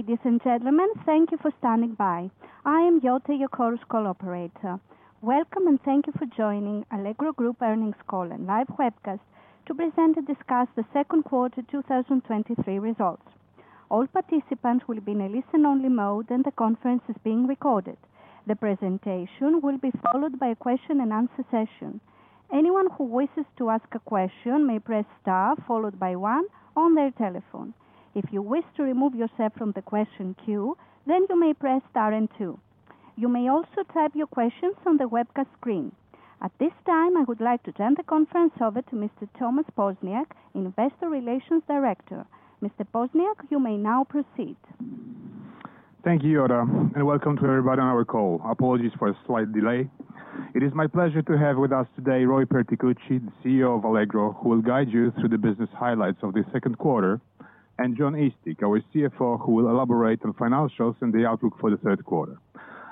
Ladies and gentlemen, thank you for standing by. I am Yota, your call operator. Welcome, and thank you for joining Allegro Group Earnings Call and Live Webcast to present and discuss the second quarter 2023 results. All participants will be in a listen-only mode, and the conference is being recorded. The presentation will be followed by a question-and-answer session. Anyone who wishes to ask a question may press star, followed by one on their telephone. If you wish to remove yourself from the question queue, then you may press star and two. You may also type your questions on the webcast screen. At this time, I would like to turn the conference over to Mr. Tomasz Poźniak, Investor Relations Director. Mr. Poźniak, you may now proceed. Thank you, Yota, and welcome to everybody on our call. Apologies for the slight delay. It is my pleasure to have with us today, Roy Perticucci, the CEO of Allegro, who will guide you through the business highlights of the second quarter, and Jon Eastick, our CFO, who will elaborate on financials and the outlook for the third quarter.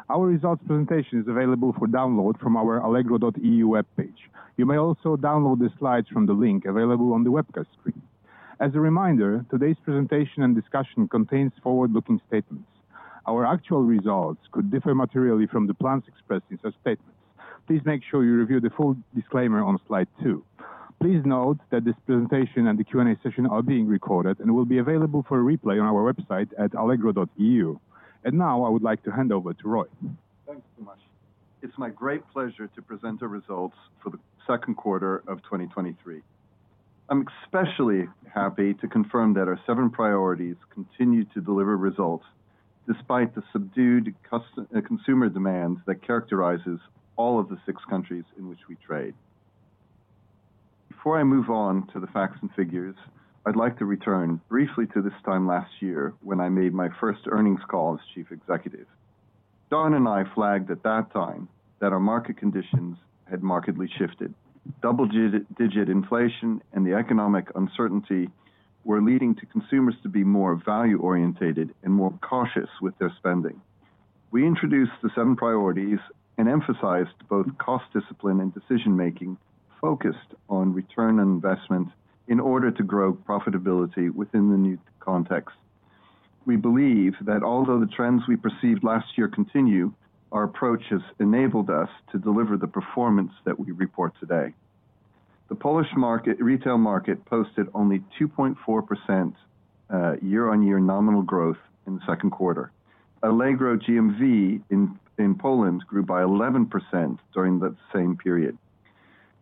Our results presentation is available for download from our allegro.eu webpage. You may also download the slides from the link available on the webcast screen. As a reminder, today's presentation and discussion contains forward-looking statements. Our actual results could differ materially from the plans expressed in such statements. Please make sure you review the full disclaimer on slide two. Please note that this presentation and the Q&A session are being recorded and will be available for replay on our website at allegro.eu. Now I would like to hand over to Roy. Thanks so much. It's my great pleasure to present our results for the second quarter of 2023. I'm especially happy to confirm that our 7 priorities continue to deliver results despite the subdued consumer demand that characterizes all of the 6 countries in which we trade. Before I move on to the facts and figures, I'd like to return briefly to this time last year, when I made my first earnings call as chief executive. Don and I flagged at that time that our market conditions had markedly shifted. Double-digit inflation and the economic uncertainty were leading consumers to be more value-oriented and more cautious with their spending. We introduced the 7 priorities and emphasized both cost discipline and decision-making, focused on return on investment in order to grow profitability within the new context. We believe that although the trends we perceived last year continue, our approach has enabled us to deliver the performance that we report today. The Polish market, retail market, posted only 2.4%, year-on-year nominal growth in the second quarter. Allegro GMV in Poland grew by 11% during the same period.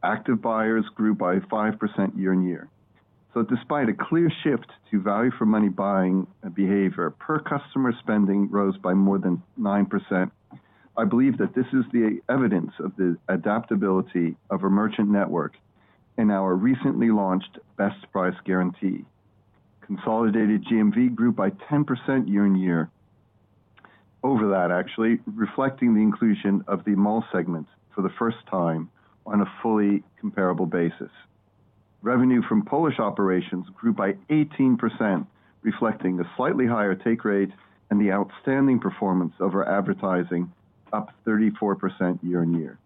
Active buyers grew by 5% year-on-year. So despite a clear shift to value for money buying behavior, per customer spending rose by more than 9%. I believe that this is the evidence of the adaptability of our merchant network in our recently launched Best Price Guarantee. Consolidated GMV grew by 10% year-on-year, over that actually, reflecting the inclusion of the Mall segment for the first time on a fully comparable basis. Revenue from Polish operations grew by 18%, reflecting the slightly higher take rate and the outstanding performance of our advertising, up 34% year-on-year.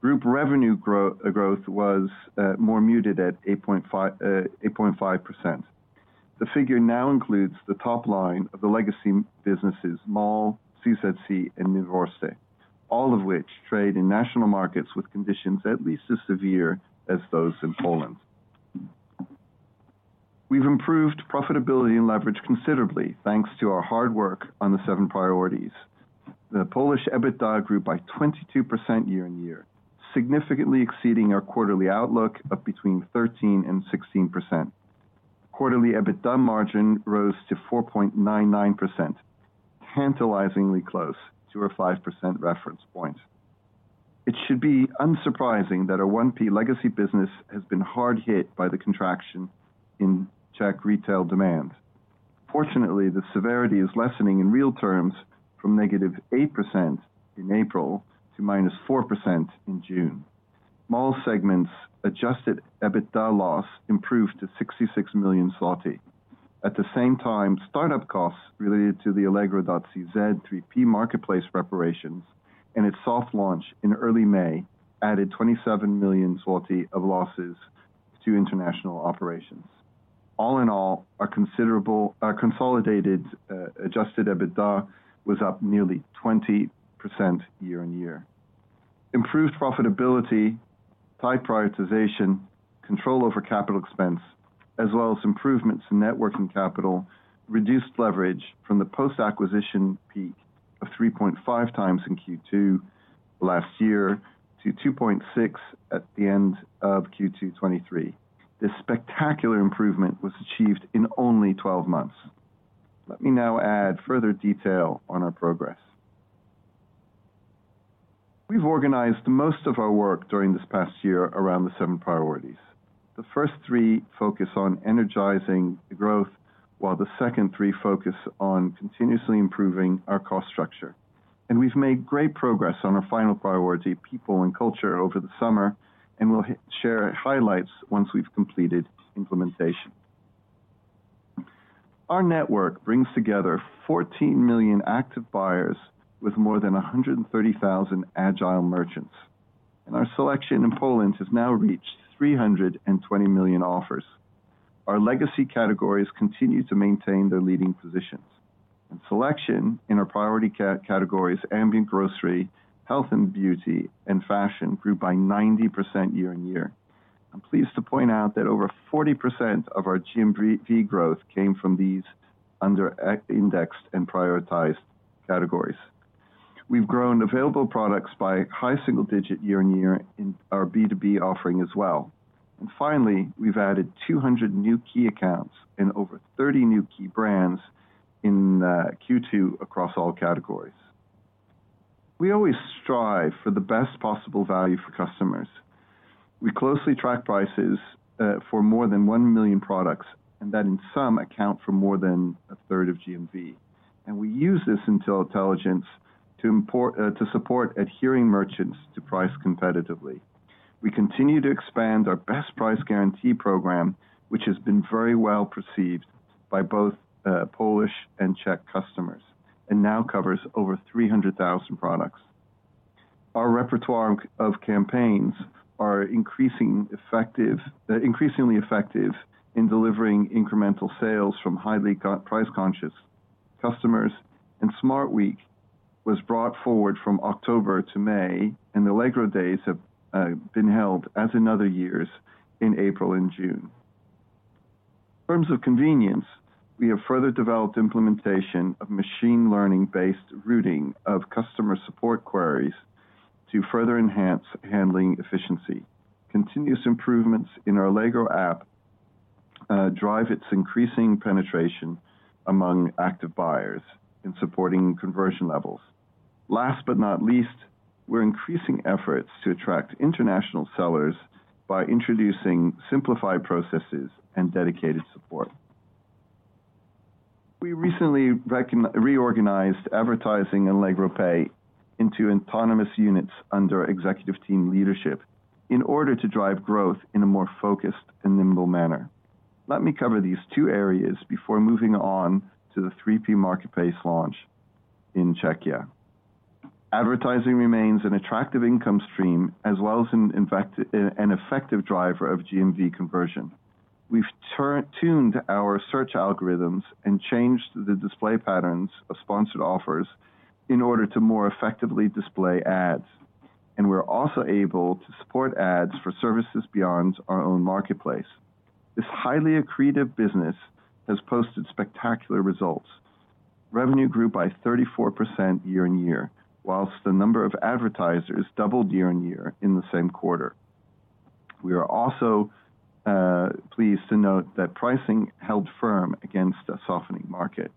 Group revenue growth was more muted at 8.5, 8.5%. The figure now includes the top line of the legacy businesses, Mall, CZC, and Mimovrste, all of which trade in national markets with conditions at least as severe as those in Poland. We've improved profitability and leverage considerably, thanks to our hard work on the seven priorities. The Polish EBITDA grew by 22% year-on-year, significantly exceeding our quarterly outlook of between 13% and 16%. Quarterly EBITDA margin rose to 4.99%, tantalizingly close to our 5% reference point. It should be unsurprising that our 1P legacy business has been hard hit by the contraction in Czech retail demand. Fortunately, the severity is lessening in real terms from -8% in April to -4% in June. Mall segments adjusted EBITDA loss improved to 66 million. At the same time, startup costs related to the allegro.cz 3P marketplace preparations and its soft launch in early May added 27 million zloty of losses to international operations. All in all, our considerable, our consolidated, adjusted EBITDA was up nearly 20% year-on-year. Improved profitability, high prioritization, control over CapEx, as well as improvements in net working capital, reduced leverage from the post-acquisition peak of 3.5x in Q2 last year to 2.6 at the end of Q2 2023. This spectacular improvement was achieved in only 12 months. Let me now add further detail on our progress. We've organized most of our work during this past year around the seven priorities. The first three focus on energizing the growth, while the second three focus on continuously improving our cost structure. We've made great progress on our final priority, people and culture, over the summer, and we'll share highlights once we've completed implementation. Our network brings together 14 million active buyers with more than 130,000 agile merchants. And our selection in Poland has now reached 320 million offers. Our legacy categories continue to maintain their leading positions, and selection in our priority categories, ambient grocery, health and beauty, and fashion, grew by 90% year-on-year. I'm pleased to point out that over 40% of our GMV growth came from these under-indexed and prioritized categories. We've grown available products by high single digit year-on-year in our B2B offering as well. Finally, we've added 200 new key accounts and over 30 new key brands in Q2 across all categories. We always strive for the best possible value for customers. We closely track prices for more than 1 million products, and that in some, account for more than a third of GMV. We use this intelligence to support adhering merchants to price competitively. We continue to expand our Best Price Guarantee program, which has been very well received by both Polish and Czech customers, and now covers over 300,000 products. Our repertoire of campaigns are increasingly effective in delivering incremental sales from highly price-conscious customers. And Smart Week was brought forward from October to May, and Allegro Days have been held as in other years in April and June. In terms of convenience, we have further developed implementation of machine learning-based routing of customer support queries to further enhance handling efficiency. Continuous improvements in our Allegro app drive its increasing penetration among active buyers in supporting conversion levels. Last but not least, we're increasing efforts to attract international sellers by introducing simplified processes and dedicated support. We recently reorganized advertising and Allegro Pay into autonomous units under executive team leadership, in order to drive growth in a more focused and nimble manner. Let me cover these two areas before moving on to the 3P marketplace launch in Czechia. Advertising remains an attractive income stream as well as an, in fact, an effective driver of GMV conversion. We've tuned our search algorithms and changed the display patterns of sponsored offers in order to more effectively display ads. And we're also able to support ads for services beyond our own marketplace. This highly accretive business has posted spectacular results. Revenue grew by 34% year-on-year, while the number of advertisers doubled year-on-year in the same quarter. We are also pleased to note that pricing held firm against a softening market.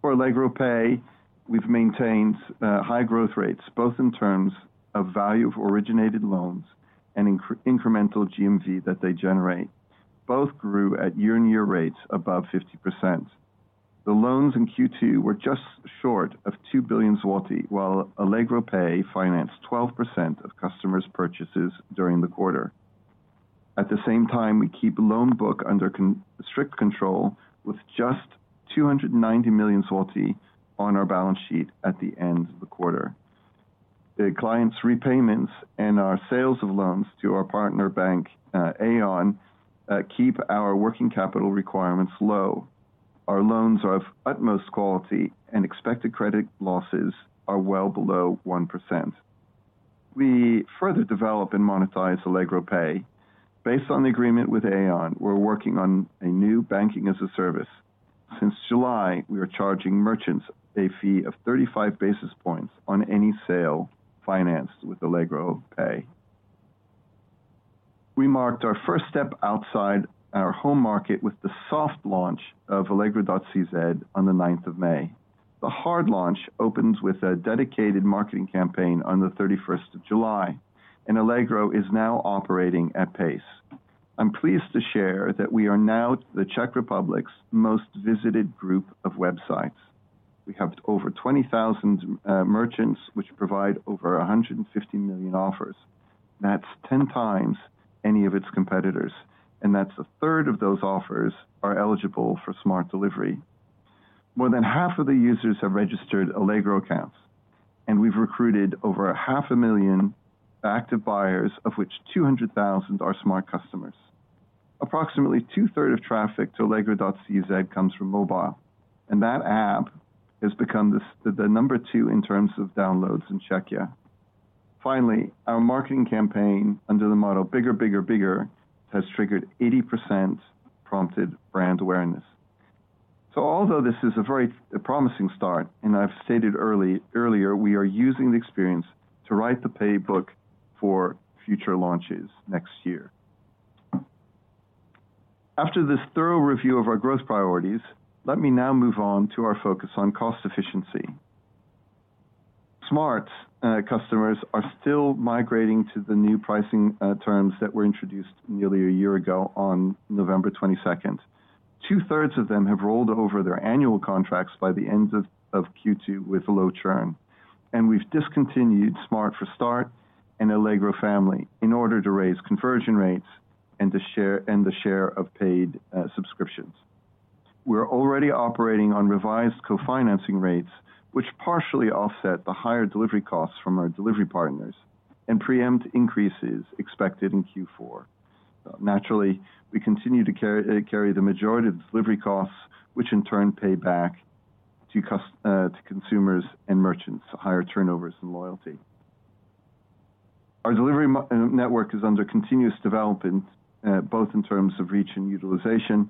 For Allegro Pay, we've maintained high growth rates, both in terms of value of originated loans and incremental GMV that they generate. Both grew at year-on-year rates above 50%. The loans in Q2 were just short of 2 billion zloty, while Allegro Pay financed 12% of customers' purchases during the quarter. At the same time, we keep loan book under constant, strict control, with just 290 million PLN on our balance sheet at the end of the quarter. The client's repayments and our sales of loans to our partner bank, Aion, keep our working capital requirements low. Our loans are of utmost quality and expected credit losses are well below 1%. We further develop and monetize Allegro Pay. Based on the agreement with Aion, we're working on a new banking as a service. Since July, we are charging merchants a fee of 35 basis points on any sale financed with Allegro Pay. We marked our first step outside our home market with the soft launch of allegro.cz on the ninth of May. The hard launch opens with a dedicated marketing campaign on the thirty-first of July, and Allegro is now operating at pace. I'm pleased to share that we are now the Czech Republic's most visited group of websites. We have over 20,000 merchants, which provide over 150 million offers. That's 10 times any of its competitors, and that's a third of those offers are eligible for Smart delivery. More than half of the users have registered Allegro accounts, and we've recruited over 500,000 active buyers, of which 200,000 are Smart customers. Approximately two-thirds of traffic to allegro.cz comes from mobile, and that app has become the number two in terms of downloads in Czechia. Finally, our marketing campaign under the motto, Bigger, Bigger, Bigger, has triggered 80% prompted brand awareness. So although this is a very promising start, and I've stated earlier, we are using the experience to write the playbook for future launches next year. After this thorough review of our growth priorities, let me now move on to our focus on cost efficiency. Smart customers are still migrating to the new pricing terms that were introduced nearly a year ago on November twenty-second. Two-thirds of them have rolled over their annual contracts by the end of Q2 with low churn, and we've discontinued Smart for Start and Allegro Family in order to raise conversion rates and the share and the share of paid subscriptions. We're already operating on revised co-financing rates, which partially offset the higher delivery costs from our delivery partners and preempt increases expected in Q4. Naturally, we continue to carry the majority of the delivery costs, which in turn pay back to consumers and merchants higher turnovers and loyalty. Our delivery network is under continuous development, both in terms of reach and utilization,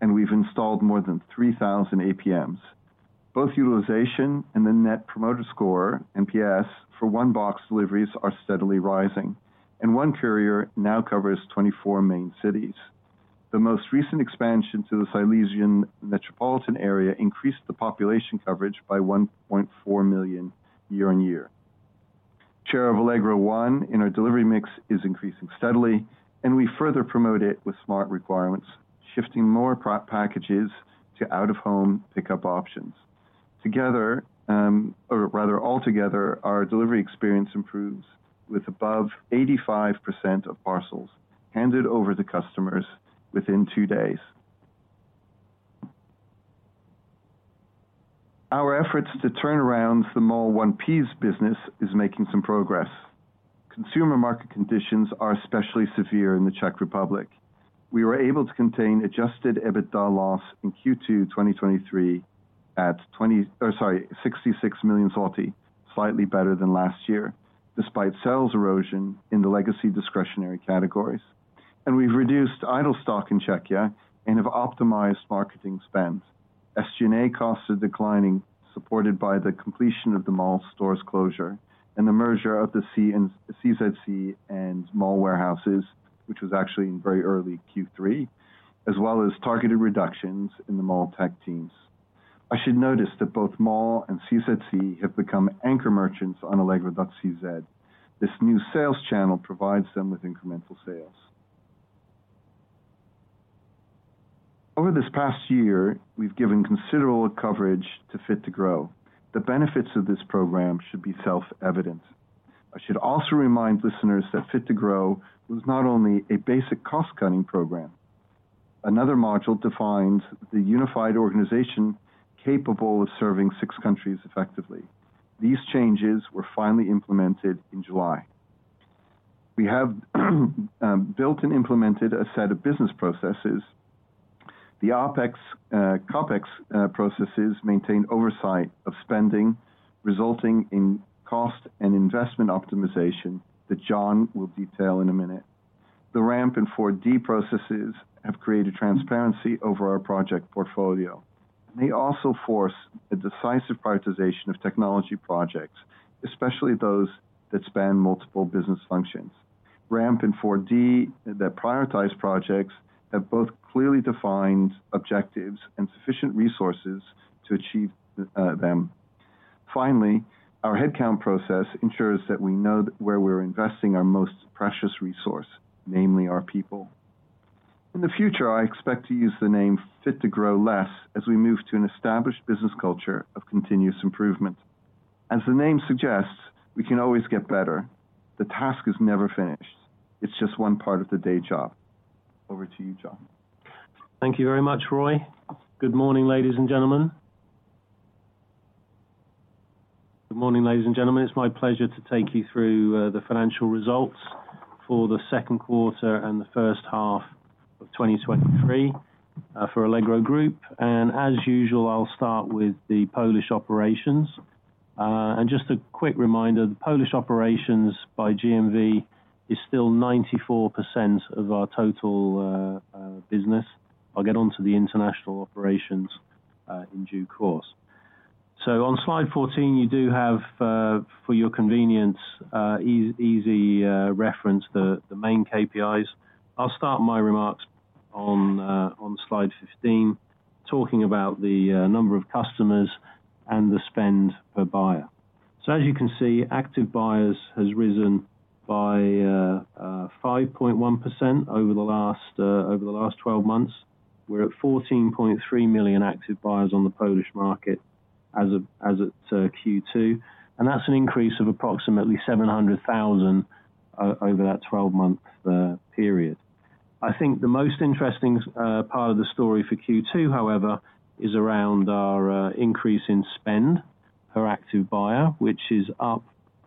and we've installed more than 3,000 APMs. Both utilization and the Net Promoter Score, NPS, for One Box deliveries are steadily rising, and one carrier now covers 24 main cities. The most recent expansion to the Silesian metropolitan area increased the population coverage by 1.4 million year-on-year. Share of Allegro One in our delivery mix is increasing steadily, and we further promote it with Smart requirements, shifting more packages to out-of-home pickup options. Together, or rather altogether, our delivery experience improves with above 85% of parcels handed over to customers within two days. Our efforts to turn around the Mall 1P's business is making some progress. Consumer market conditions are especially severe in the Czech Republic. We were able to contain adjusted EBITDA loss in Q2 2023 at 66 million, slightly better than last year, despite sales erosion in the legacy discretionary categories. We've reduced idle stock in Czechia and have optimized marketing spend. SG&A costs are declining, supported by the completion of the mall stores closure and the merger of the CZC and mall warehouses, which was actually in very early Q3, as well as targeted reductions in the mall tech teams. I should note that both Mall and CZC have become anchor merchants on allegro.cz. This new sales channel provides them with incremental sales. Over this past year, we've given considerable coverage to Fit to Grow. The benefits of this program should be self-evident. I should also remind listeners that Fit to Grow was not only a basic cost-cutting program. Another module defines the unified organization capable of serving six countries effectively. These changes were finally implemented in July. We have built and implemented a set of business processes. The OpEx, CapEx, processes maintain oversight of spending, resulting in cost and investment optimization that Jon will detail in a minute. The RAMP in four processes have created transparency over our project portfolio, and they also force a decisive prioritization of technology projects, especially those that span multiple business functions. RAMP and 4d, the prioritized projects, have both clearly defined objectives and sufficient resources to achieve them. Finally, our headcount process ensures that we know where we're investing our most precious resource, namely our people. In the future, I expect to use the name Fit to Grow less as we move to an established business culture of continuous improvement. As the name suggests, we can always get better. The task is never finished. It's just one part of the day job. Over to you, Jon. Thank you very much, Roy. Good morning, ladies and gentlemen. Good morning, ladies and gentlemen, it's my pleasure to take you through the financial results for the second quarter and the first half of 2023 for Allegro Group. As usual, I'll start with the Polish operations. Just a quick reminder, the Polish operations by GMV is still 94% of our total business. I'll get onto the international operations in due course. On slide 14, you do have, for your convenience, easy reference, the main KPIs. I'll start my remarks on slide 15, talking about the number of customers and the spend per buyer. As you can see, active buyers has risen by 5.1% over the last twelve months. We're at 14.3 million active buyers on the Polish market as of, as at, Q2, and that's an increase of approximately 700,000 over that 12-month period. I think the most interesting part of the story for Q2, however, is around our increase in spend per active buyer, which is up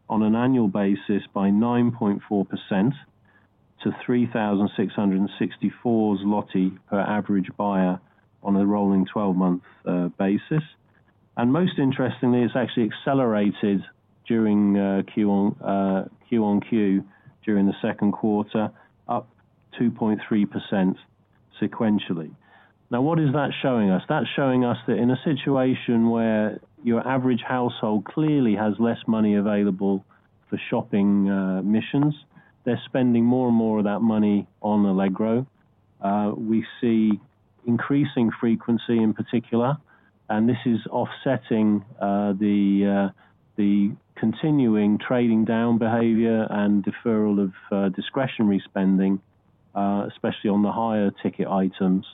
on an annual basis by 9.4% to 3,664 zloty per average buyer on a rolling 12-month basis. And most interestingly, it's actually accelerated during Q on Q, during the second quarter, up 2.3 sequentially. Now, what is that showing us? That's showing us that in a situation where your average household clearly has less money available for shopping missions, they're spending more and more of that money on Allegro. We see increasing frequency in particular, and this is offsetting the continuing trading down behavior and deferral of discretionary spending, especially on the higher ticket items,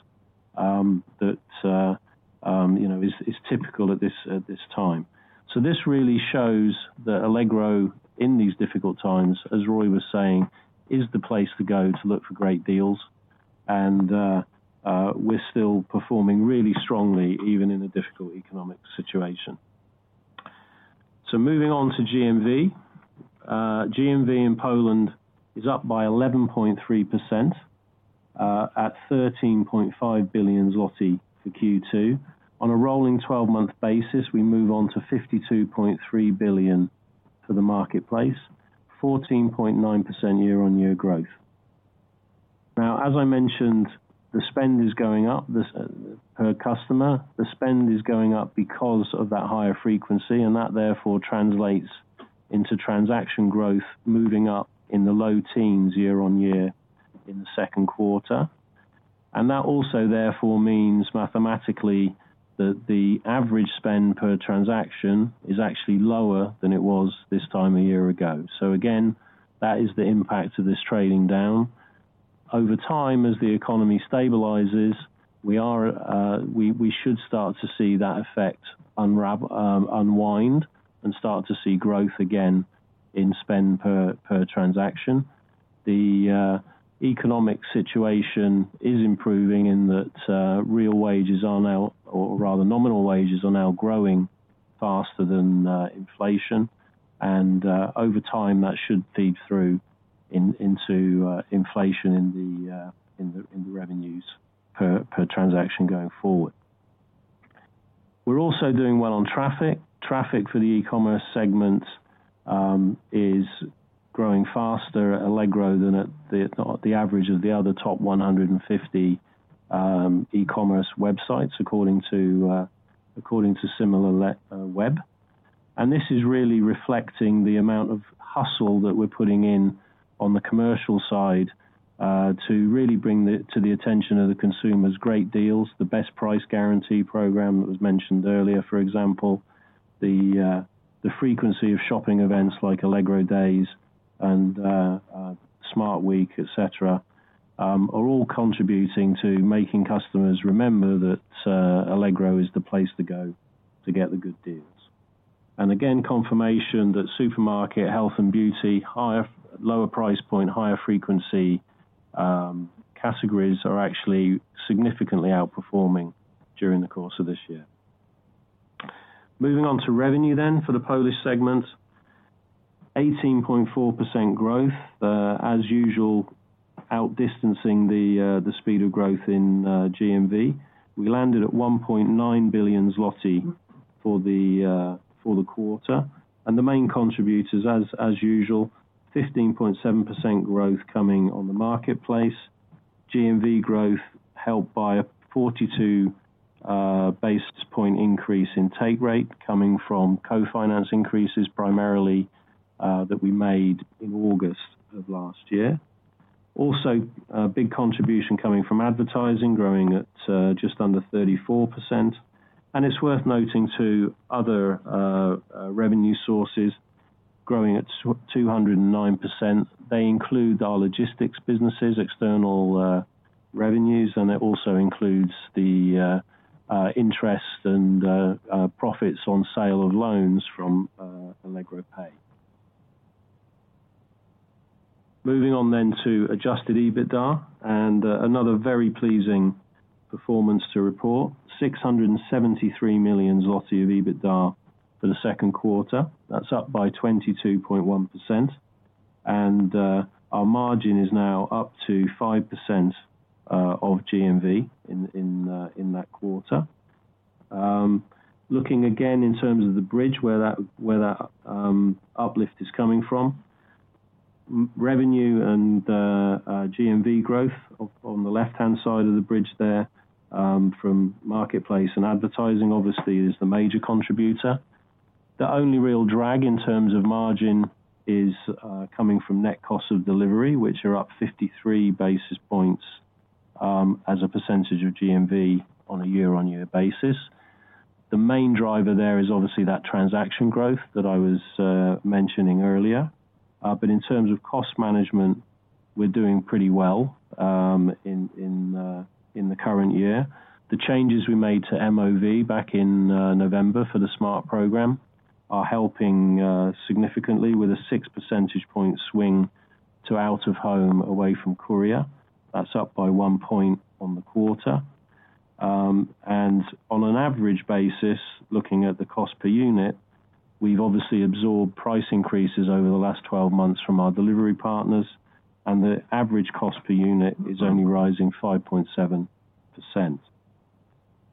that you know is typical at this time. So this really shows that Allegro, in these difficult times, as Roy was saying, is the place to go to look for great deals. We're still performing really strongly, even in a difficult economic situation. So moving on to GMV. GMV in Poland is up by 11.3% at 13.5 billion zloty for Q2. On a rolling twelve-month basis, we move on to 52.3 billion for the marketplace, 14.9% year-on-year growth. Now, as I mentioned, the spend is going up, this per customer. The spend is going up because of that higher frequency, and that, therefore, translates into transaction growth moving up in the low teens year-on-year in the second quarter. And that also, therefore, means mathematically, that the average spend per transaction is actually lower than it was this time a year ago. So again, that is the impact of this trading down. Over time, as the economy stabilizes, we should start to see that effect unwrap, unwind, and start to see growth again in spend per transaction. The economic situation is improving in that real wages are now, or rather nominal wages, are now growing faster than inflation. And over time, that should feed through into inflation in the revenues per transaction going forward. We're also doing well on traffic. Traffic for the e-commerce segment is growing faster at Allegro than at the average of the other top 150 e-commerce websites, according to SimilarWeb. And this is really reflecting the amount of hustle that we're putting in on the commercial side to really bring to the attention of the consumers great deals, the Best Price Guarantee program that was mentioned earlier, for example. The frequency of shopping events like Allegro Days and Smart Week, et cetera, are all contributing to making customers remember that Allegro is the place to go to get the good deals. And again, confirmation that supermarket, health and beauty, lower price point, higher frequency categories are actually significantly outperforming during the course of this year. Moving on to revenue then for the Polish segment. 18.4% growth, as usual, outdistancing the speed of growth in GMV. We landed at 1.9 billion zloty for the quarter. The main contributors, as usual, 15.7% growth coming on the marketplace GMV growth, helped by a 42 basis point increase in take rate, coming from co-financing increases, primarily, that we made in August of last year. Also, a big contribution coming from advertising, growing at just under 34%. It's worth noting, too, other revenue sources growing at 209%. They include our logistics businesses, external revenues, and it also includes the interest and profits on sale of loans from Allegro Pay. Moving on then to adjusted EBITDA, and, another very pleasing performance to report, 673 million zloty of EBITDA for the second quarter. That's up by 22.1%, and, our margin is now up to 5%, of GMV in that quarter. Looking again in terms of the bridge, where that uplift is coming from. Revenue and, GMV growth up on the left-hand side of the bridge there, from marketplace and advertising, obviously, is the major contributor. The only real drag in terms of margin is, coming from net cost of delivery, which are up 53 basis points, as a percentage of GMV on a year-on-year basis. The main driver there is obviously that transaction growth that I was, mentioning earlier. But in terms of cost management, we're doing pretty well in the current year. The changes we made to MOV back in November for the Smart program are helping significantly with a 6 percentage point swing to out-of-home away from courier. That's up by 1 point on the quarter. And on an average basis, looking at the cost per unit, we've obviously absorbed price increases over the last 12 months from our delivery partners, and the average cost per unit is only rising 5.7%.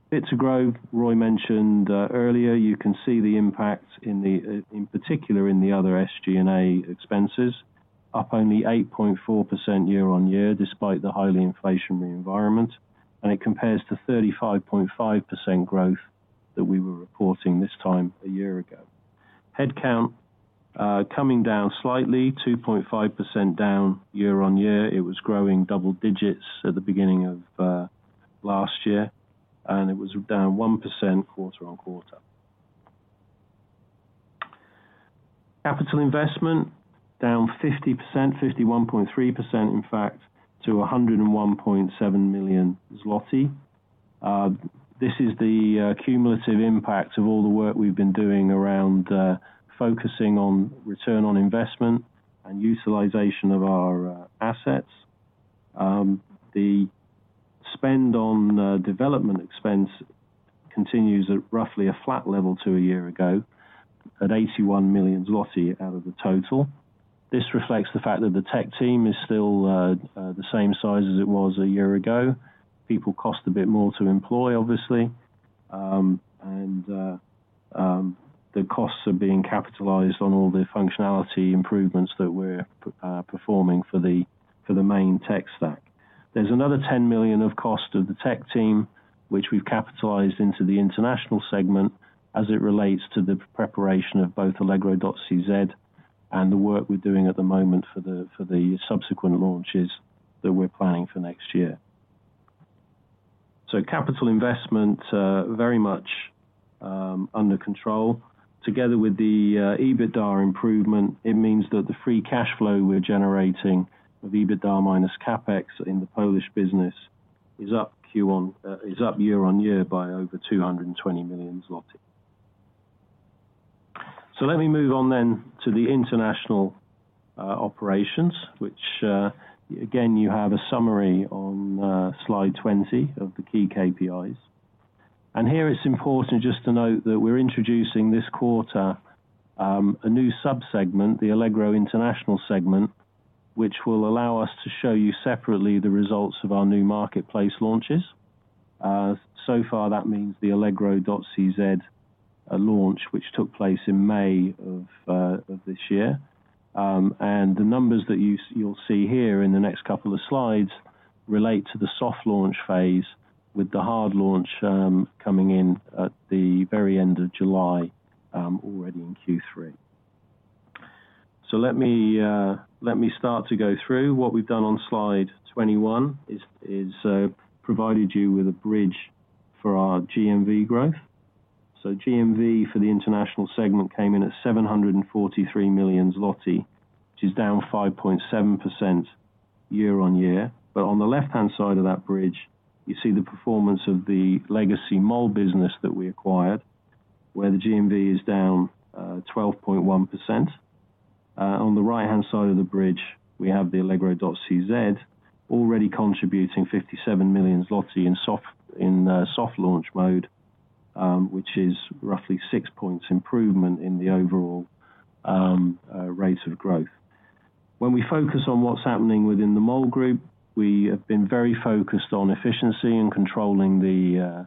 Fit to Grow, Roy mentioned earlier, you can see the impact in particular in the other SG&A expenses, up only 8.4% year-on-year, despite the highly inflationary environment, and it compares to 35.5% growth that we were reporting this time a year ago. Headcount coming down slightly, 2.5% down year-on-year. It was growing double digits at the beginning of last year, and it was down 1% quarter-on-quarter. Capital investment down 50%, 51.3% in fact, to 101.7 million zloty. This is the cumulative impact of all the work we've been doing around focusing on return on investment and utilization of our assets. The spend on development expense continues at roughly a flat level to a year ago, at 81 million zloty out of the total. This reflects the fact that the tech team is still the same size as it was a year ago. People cost a bit more to employ, obviously, and the costs are being capitalized on all the functionality improvements that we're performing for the main tech stack. There's another 10 million of cost of the tech team, which we've capitalized into the international segment as it relates to the preparation of both allegro.cz and the work we're doing at the moment for the subsequent launches that we're planning for next year. So capital investment very much under control. Together with the EBITDA improvement, it means that the free cash flow we're generating of EBITDA minus CapEx in the Polish business is up Q1 is up year-on-year by over 220 million zloty. So let me move on then to the international operations, which again, you have a summary on slide 20 of the key KPIs. Here, it's important just to note that we're introducing this quarter a new sub-segment, the Allegro International segment, which will allow us to show you separately the results of our new marketplace launches. So far, that means the allegro.cz launch, which took place in May of this year. And the numbers that you'll see here in the next couple of slides relate to the soft launch phase, with the hard launch coming in at the very end of July, already in Q3. So let me let me start to go through. What we've done on slide 21 is provided you with a bridge for our GMV growth. So GMV for the international segment came in at 743 million zloty, which is down 5.7% year-on-year. But on the left-hand side of that bridge, you see the performance of the legacy Mall business that we acquired, where the GMV is down twelve point one percent. On the right-hand side of the bridge, we have the allegro.cz, already contributing 57 million zloty in soft launch mode, which is roughly six points improvement in the overall rate of growth. When we focus on what's happening within the Mall Group, we have been very focused on efficiency and controlling the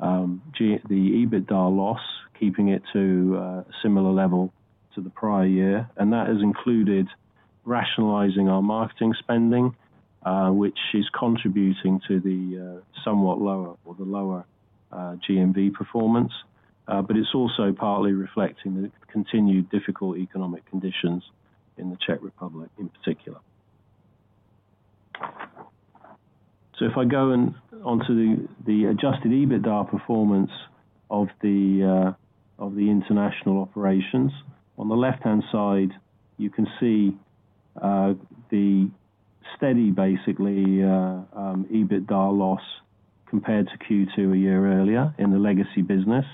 EBITDA loss, keeping it to similar level to the prior year. That has included rationalizing our marketing spending, which is contributing to the somewhat lower or the lower GMV performance. But it's also partly reflecting the continued difficult economic conditions in the Czech Republic in particular. So if I go on, onto the adjusted EBITDA performance of the international operations, on the left-hand side, you can see the steady, basically, EBITDA loss compared to Q2 a year earlier in the legacy business.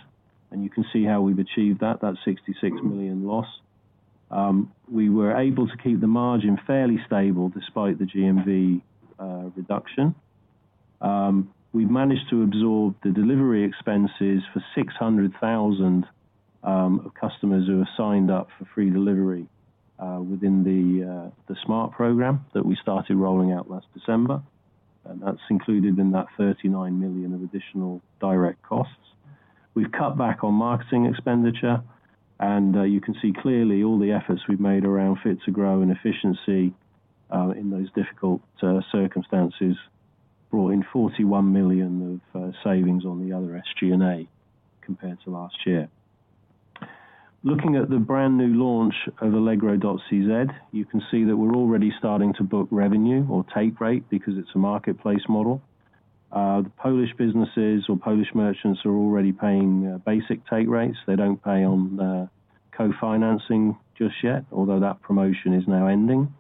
And you can see how we've achieved that, that 66 million loss. We were able to keep the margin fairly stable despite the GMV reduction. We've managed to absorb the delivery expenses for 600,000 customers who are signed up for free delivery within the Smart program that we started rolling out last December, and that's included in that 39 million of additional direct costs. We've cut back on marketing expenditure, and you can see clearly all the efforts we've made around Fit to Grow and efficiency in those difficult circumstances, brought in 41 million of savings on the other SG&A compared to last year. Looking at the brand new launch of allegro.cz, you can see that we're already starting to book revenue or take rate because it's a marketplace model. The Polish businesses or Polish merchants are already paying basic take rates. They don't pay on the co-financing just yet, although that promotion is now ending.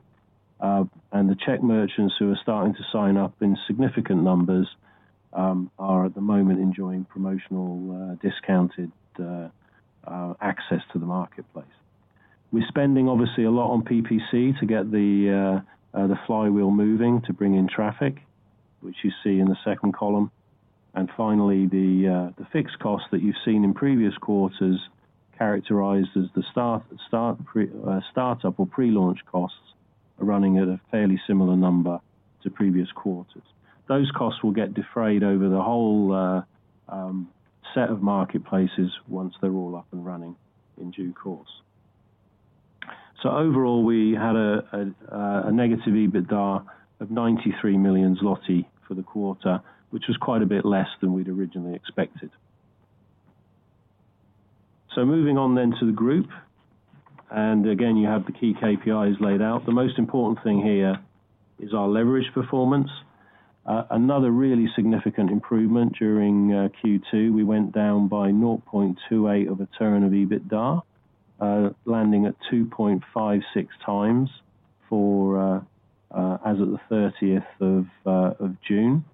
And the Czech merchants who are starting to sign up in significant numbers are at the moment enjoying promotional discounted access to the marketplace. We're spending obviously a lot on PPC to get the flywheel moving, to bring in traffic, which you see in the second column. And finally, the fixed costs that you've seen in previous quarters, characterized as the startup or pre-launch costs, are running at a fairly similar number to previous quarters. Those costs will get defrayed over the whole set of marketplaces once they're all up and running in due course. So overall, we had a negative EBITDA of 93 million zloty for the quarter, which was quite a bit less than we'd originally expected. Moving on to the group. And again, you have the key KPIs laid out. The most important thing here is our leverage performance. Another really significant improvement during Q2, we went down by 0.28 of a turn of EBITDA, landing at 2.56x as of the thirtieth of June.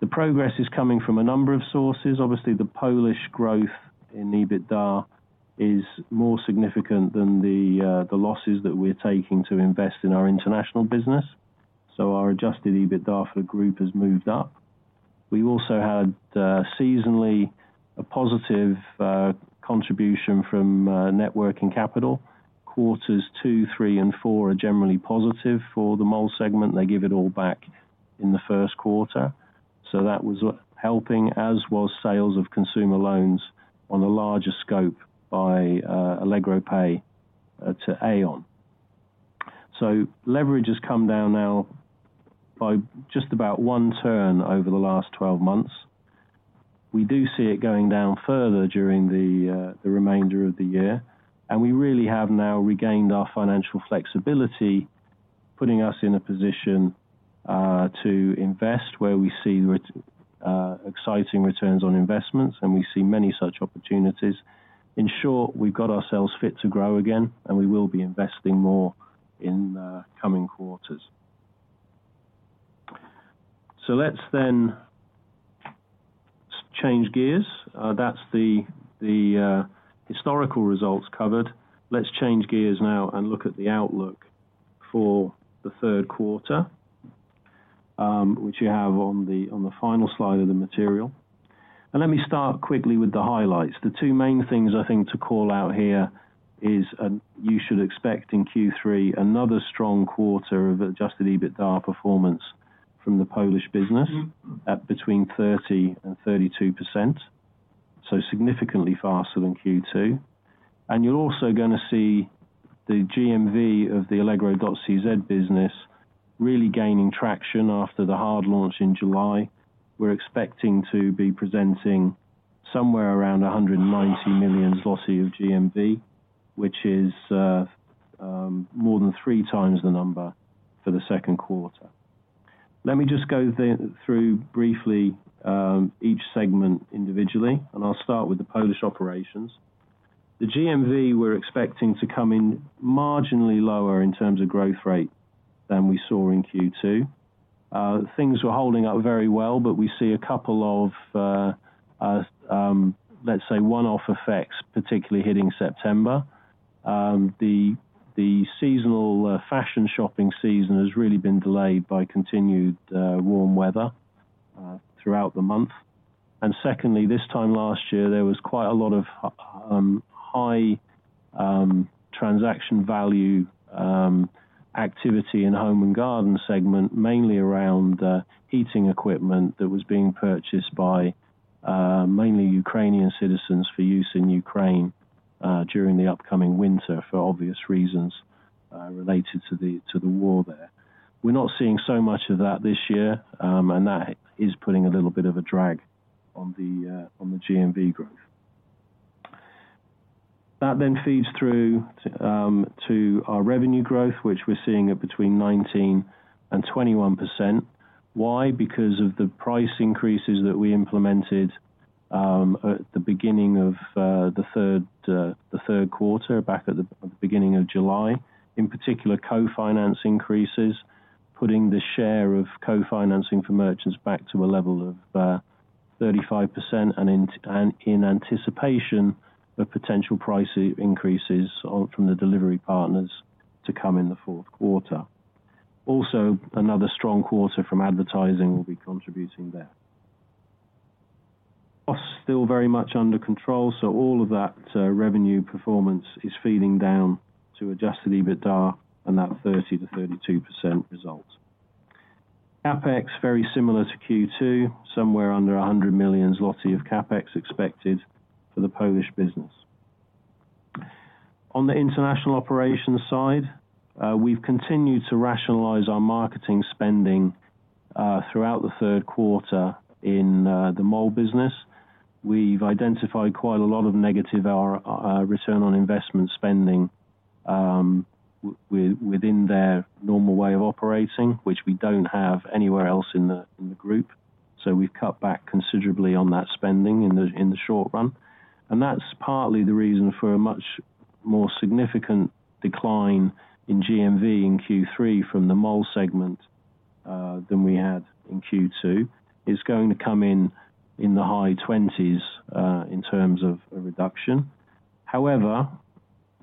The progress is coming from a number of sources. Obviously, the Polish growth in EBITDA is more significant than the losses that we're taking to invest in our international business. So our adjusted EBITDA for the group has moved up. We also had seasonally a positive contribution from working capital. Quarters 2, 3, and 4 are generally positive for the mall segment. They give it all back in the first quarter. So that was helping, as was sales of consumer loans on a larger scope by Allegro Pay to Aion. So leverage has come down now by just about one turn over the last 12 months. We do see it going down further during the remainder of the year, and we really have now regained our financial flexibility, putting us in a position to invest where we see really exciting returns on investments, and we see many such opportunities. In short, we've got ourselves Fit to Grow again, and we will be investing more in the coming quarters. So let's then change gears. That's the historical results covered. Let's change gears now and look at the outlook for the third quarter, which you have on the final slide of the material. Let me start quickly with the highlights. The two main things I think to call out here is you should expect in Q3 another strong quarter of adjusted EBITDA performance from the Polish business at between 30% and 32%, so significantly faster than Q2. You're also going to see the GMV of the allegro.cz business really gaining traction after the hard launch in July. We're expecting to be presenting somewhere around 190 million zloty of GMV, which is more than three times the number for the second quarter. Let me just go through briefly each segment individually, and I'll start with the Polish operations. The GMV, we're expecting to come in marginally lower in terms of growth rate than we saw in Q2. Things were holding up very well, but we see a couple of, let's say, one-off effects, particularly hitting September. The seasonal fashion shopping season has really been delayed by continued warm weather throughout the month. And secondly, this time last year, there was quite a lot of high transaction value activity in home and garden segment, mainly around heating equipment that was being purchased by mainly Ukrainian citizens for use in Ukraine during the upcoming winter, for obvious reasons related to the war there. We're not seeing so much of that this year, and that is putting a little bit of a drag on the GMV growth. That then feeds through to our revenue growth, which we're seeing at between 19 and 21%. Why? Because of the price increases that we implemented at the beginning of the third quarter, back at the beginning of July, in particular, co-financing increases, putting the share of co-financing for merchants back to a level of 35%, and in anticipation of potential price increases from the delivery partners to come in the fourth quarter. Also, another strong quarter from advertising will be contributing there. Costs still very much under control, so all of that revenue performance is feeding down to adjusted EBITDA and that 30%-32% result. CapEx, very similar to Q2, somewhere under 100 million zloty of CapEx expected for the Polish business. On the international operations side, we've continued to rationalize our marketing spending throughout the third quarter in the mall business. We've identified quite a lot of negative ROI spending within their normal way of operating, which we don't have anywhere else in the group. So we've cut back considerably on that spending in the short run. And that's partly the reason for a much more significant decline in GMV in Q3 from the Mall segment than we had in Q2. It's going to come in the high 20s% in terms of a reduction. However,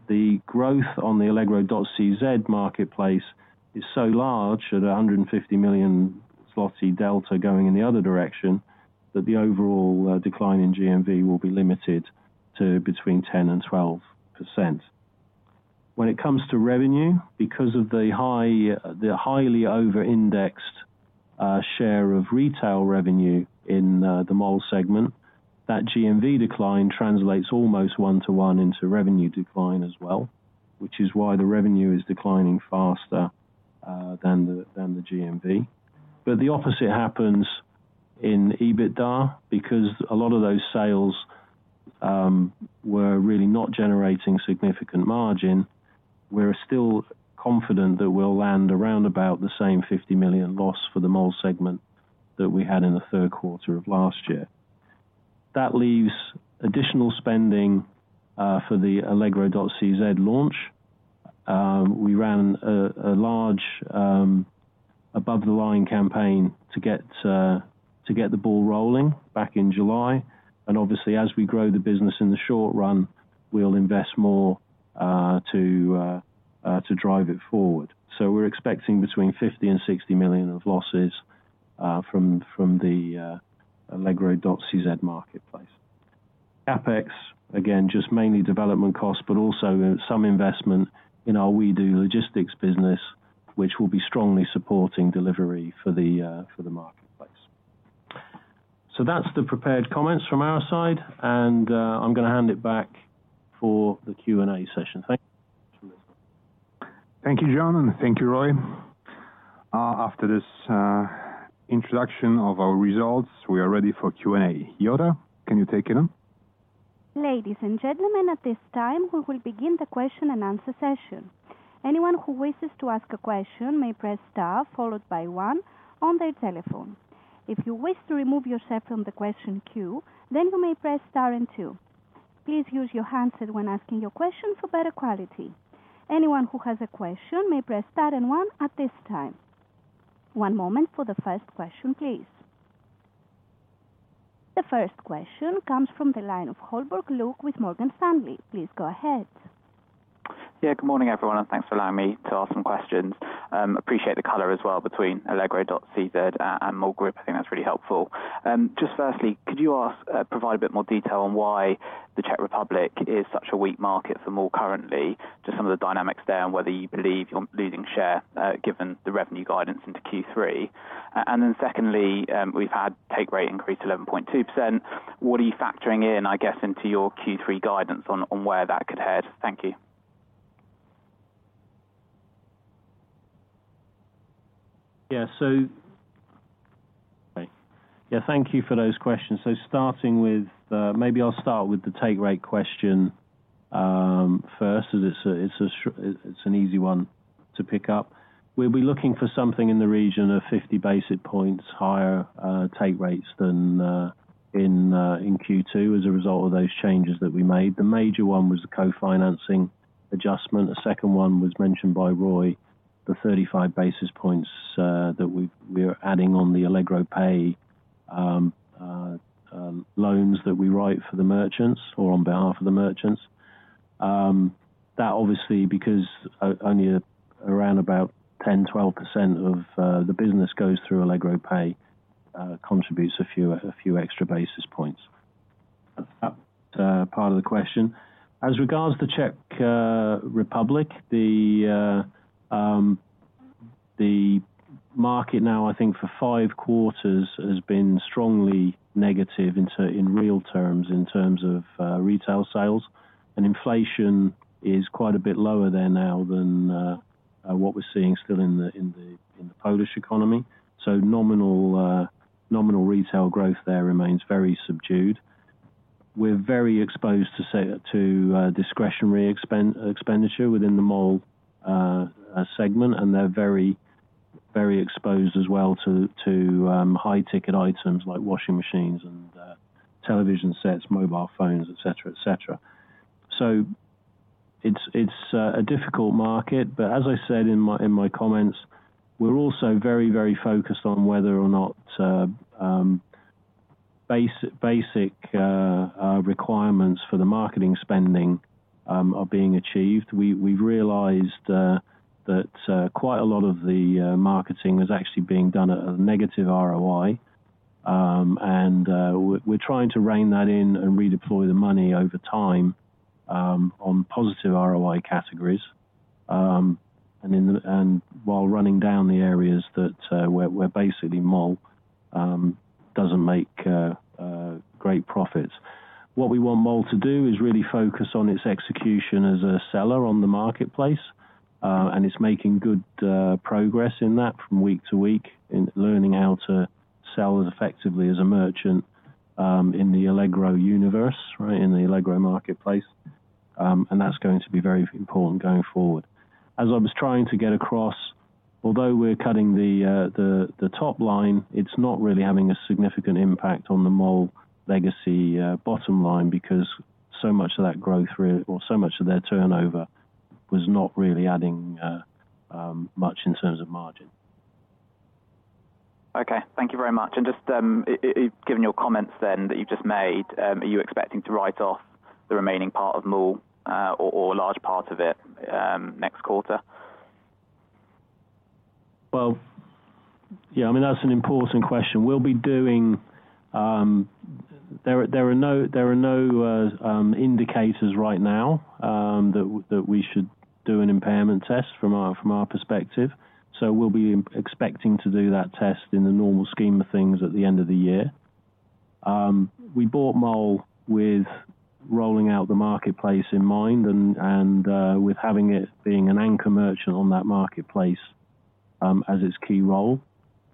the growth on the allegro.cz marketplace is so large, at 150 million zlotys delta going in the other direction, that the overall decline in GMV will be limited to between 10% and 12%. When it comes to revenue, because of the high, the highly over-indexed share of retail revenue in the mall segment, that GMV decline translates almost one-to-one into revenue decline as well, which is why the revenue is declining faster than the GMV. But the opposite happens in EBITDA, because a lot of those sales were really not generating significant margin. We're still confident that we'll land around about the same 50 million loss for the mall segment that we had in the third quarter of last year. That leaves additional spending for the allegro.cz launch. We ran a large above-the-line campaign to get the ball rolling back in July. And obviously, as we grow the business in the short run, we'll invest more to drive it forward. So we're expecting between 50 million and 60 million of losses from the allegro.cz marketplace. CapEx, again, just mainly development costs, but also some investment in our WeDo Logistics business, which will be strongly supporting delivery for the marketplace. So that's the prepared comments from our side, and, I'm going to hand it back for the Q&A session. Thank you. Thank you, Jon, and thank you, Roy. After this introduction of our results, we are ready for Q&A. Yoda, can you take it on? Ladies and gentlemen, at this time, we will begin the question and answer session. Anyone who wishes to ask a question may press star, followed by one on their telephone. If you wish to remove yourself from the question queue, then you may press star and two. Please use your handset when asking your question for better quality. Anyone who has a question may press star and one at this time. One moment for the first question, please. The first question comes from the line of Luke Holbrook with Morgan Stanley. Please go ahead. Yeah, good morning, everyone, and thanks for allowing me to ask some questions. Appreciate the color as well between allegro.cz and Mall Group. I think that's really helpful. Just firstly, could you provide a bit more detail on why the Czech Republic is such a weak market for Mall currently, just some of the dynamics there, and whether you believe you're losing share, given the revenue guidance into Q3? And then secondly, we've had take rate increase to 11.2%. What are you factoring in, I guess, into your Q3 guidance on where that could head? Thank you. Yeah, so yeah, thank you for those questions. So starting with, maybe I'll start with the take rate question first, as it's an easy one to pick up. We'll be looking for something in the region of 50 basis points higher take rates than in Q2 as a result of those changes that we made. The major one was the co-financing adjustment. The second one was mentioned by Roy, the 35 basis points that we're adding on the Allegro Pay loans that we write for the merchants or on behalf of the merchants. That obviously, because only around about 10, 12% of the business goes through Allegro Pay, contributes a few extra basis points. Part of the question. As regards to Czech Republic, the market now, I think for five quarters, has been strongly negative in real terms, in terms of retail sales. And inflation is quite a bit lower there now than what we're seeing still in the Polish economy. So nominal retail growth there remains very subdued. We're very exposed to discretionary expenditure within the Mall segment, and they're very, very exposed as well to high-ticket items like washing machines and television sets, mobile phones, et cetera, et cetera. So it's a difficult market, but as I said in my comments, we're also very, very focused on whether or not basic requirements for the marketing spending are being achieved. We've realized that quite a lot of the marketing is actually being done at a negative ROI. And we're trying to rein that in and redeploy the money over time on positive ROI categories. And while running down the areas that where basically Mall doesn't make great profits. What we want Mall to do is really focus on its execution as a seller on the marketplace, and it's making good progress in that from week to week, in learning how to sell as effectively as a merchant in the Allegro universe, right? In the Allegro marketplace. And that's going to be very important going forward. As I was trying to get across, although we're cutting the top line, it's not really having a significant impact on the Mall legacy bottom line, because so much of that growth, or so much of their turnover, was not really adding much in terms of margin. Okay, thank you very much. And just, given your comments then, that you've just made, are you expecting to write off the remaining part of Mall, or large parts of it, next quarter? Well, yeah, I mean, that's an important question. We'll be doing... There are no indicators right now that we should do an impairment test from our perspective. So we'll be expecting to do that test in the normal scheme of things at the end of the year. We bought Mall with rolling out the marketplace in mind and with having it being an anchor merchant on that marketplace as its key role.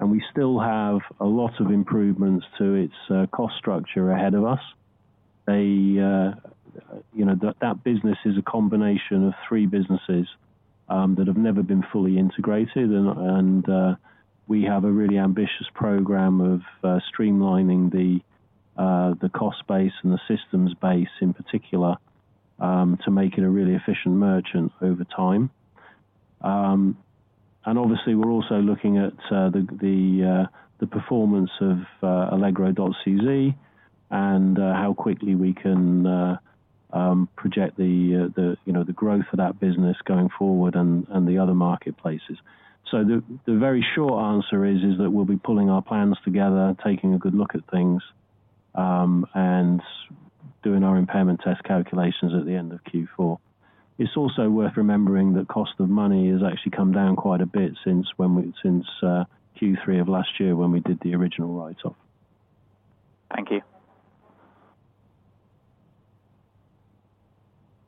And we still have a lot of improvements to its cost structure ahead of us. You know, that business is a combination of three businesses that have never been fully integrated. We have a really ambitious program of streamlining the cost base and the systems base, in particular, to make it a really efficient merchant over time. Obviously, we're also looking at the performance of allegro.cz and how quickly we can project the, you know, the growth of that business going forward and the other marketplaces. So the very short answer is that we'll be pulling our plans together, taking a good look at things and doing our impairment test calculations at the end of Q4. It's also worth remembering that cost of money has actually come down quite a bit since when we since Q3 of last year, when we did the original write-off. Thank you.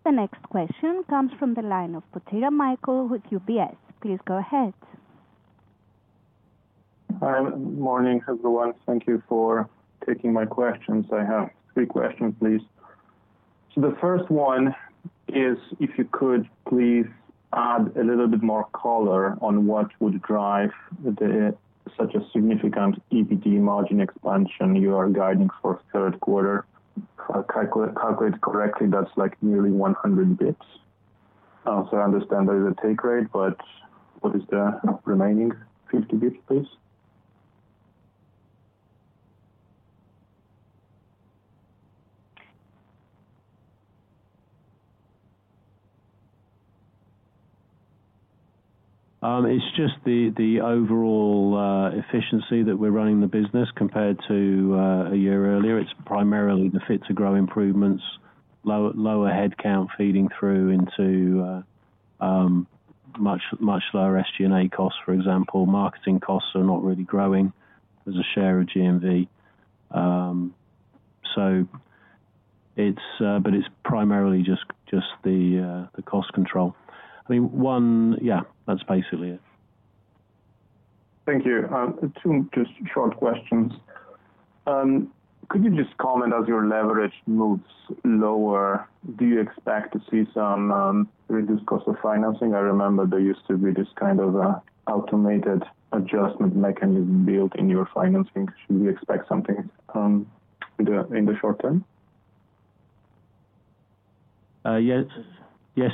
The next question comes from the line of Michal Potyra with UBS. Please go ahead. Hi, morning, everyone. Thank you for taking my questions. I have 3 questions, please. So the first one is, if you could please add a little bit more color on what would drive the such a significant EBITDA margin expansion you are guiding for third quarter? Calculate correctly, that's like nearly 100 bits. So I understand there is a take rate, but what is the remaining 50 bits, please? It's just the overall efficiency that we're running the business compared to a year earlier. It's primarily the Fit to Grow improvements, lower headcount feeding through into much lower SG&A costs, for example. Marketing costs are not really growing as a share of GMV. So it's but it's primarily just the cost control. I mean, yeah, that's basically it. Thank you. Two just short questions. Could you just comment, as your leverage moves lower, do you expect to see some reduced cost of financing? I remember there used to be this kind of automated adjustment mechanism built in your financing. Should we expect something in the short term? Yes. Yes, yes,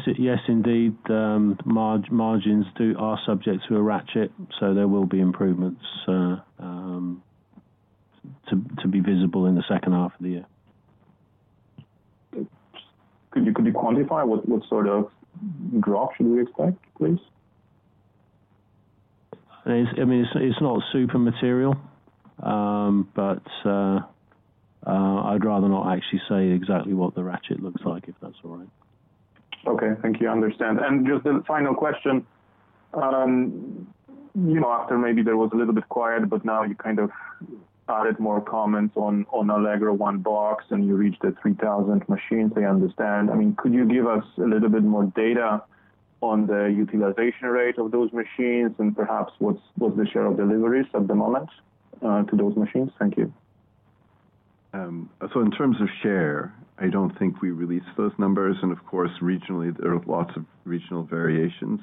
indeed, margins are subject to a ratchet, so there will be improvements to be visible in the second half of the year. Could you quantify what sort of drop should we expect, please? I mean, it's not super material. But I'd rather not actually say exactly what the ratchet looks like, if that's all right. Okay, thank you. I understand. And just the final question, you know, after maybe there was a little bit quiet, but now you kind of added more comments on, on Allegro One Box, and you reached the 3,000 machines, I understand. I mean, could you give us a little bit more data on the utilization rate of those machines and perhaps what's the share of deliveries at the moment, to those machines? Thank you. So in terms of share, I don't think we released those numbers, and of course, regionally, there are lots of regional variations.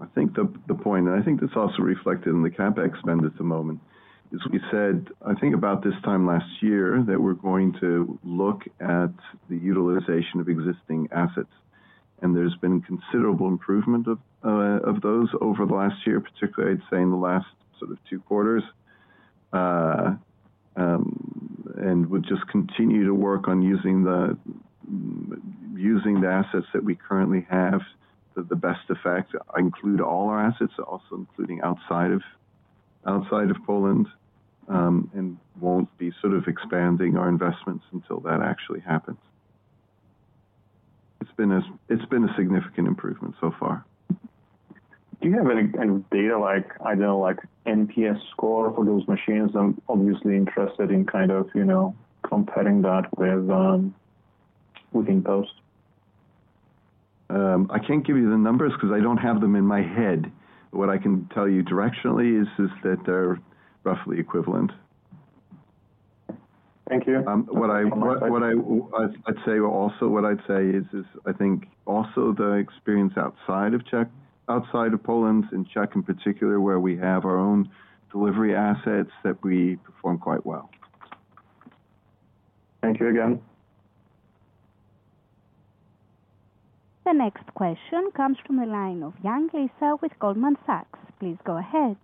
I think the, the point, and I think that's also reflected in the CapEx spend at the moment, is we said, I think about this time last year, that we're going to look at the utilization of existing assets. And there's been considerable improvement of, of those over the last year, particularly, I'd say, in the last sort of two quarters. And we'll just continue to work on using the, using the assets that we currently have to the best effect. I include all our assets, also including outside of, outside of Poland, and won't be sort of expanding our investments until that actually happens. It's been a, it's been a significant improvement so far. Do you have any data like, either like NPS score for those machines? I'm obviously interested in kind of, you know, comparing that with within InPost. I can't give you the numbers because I don't have them in my head. What I can tell you directionally is that they're roughly equivalent. Thank you. What I'd say is, I think also the experience outside of Czech, outside of Poland, in Czech in particular, where we have our own delivery assets, that we perform quite well. Thank you again. The next question comes from the line of Lisa Yang with Goldman Sachs. Please go ahead.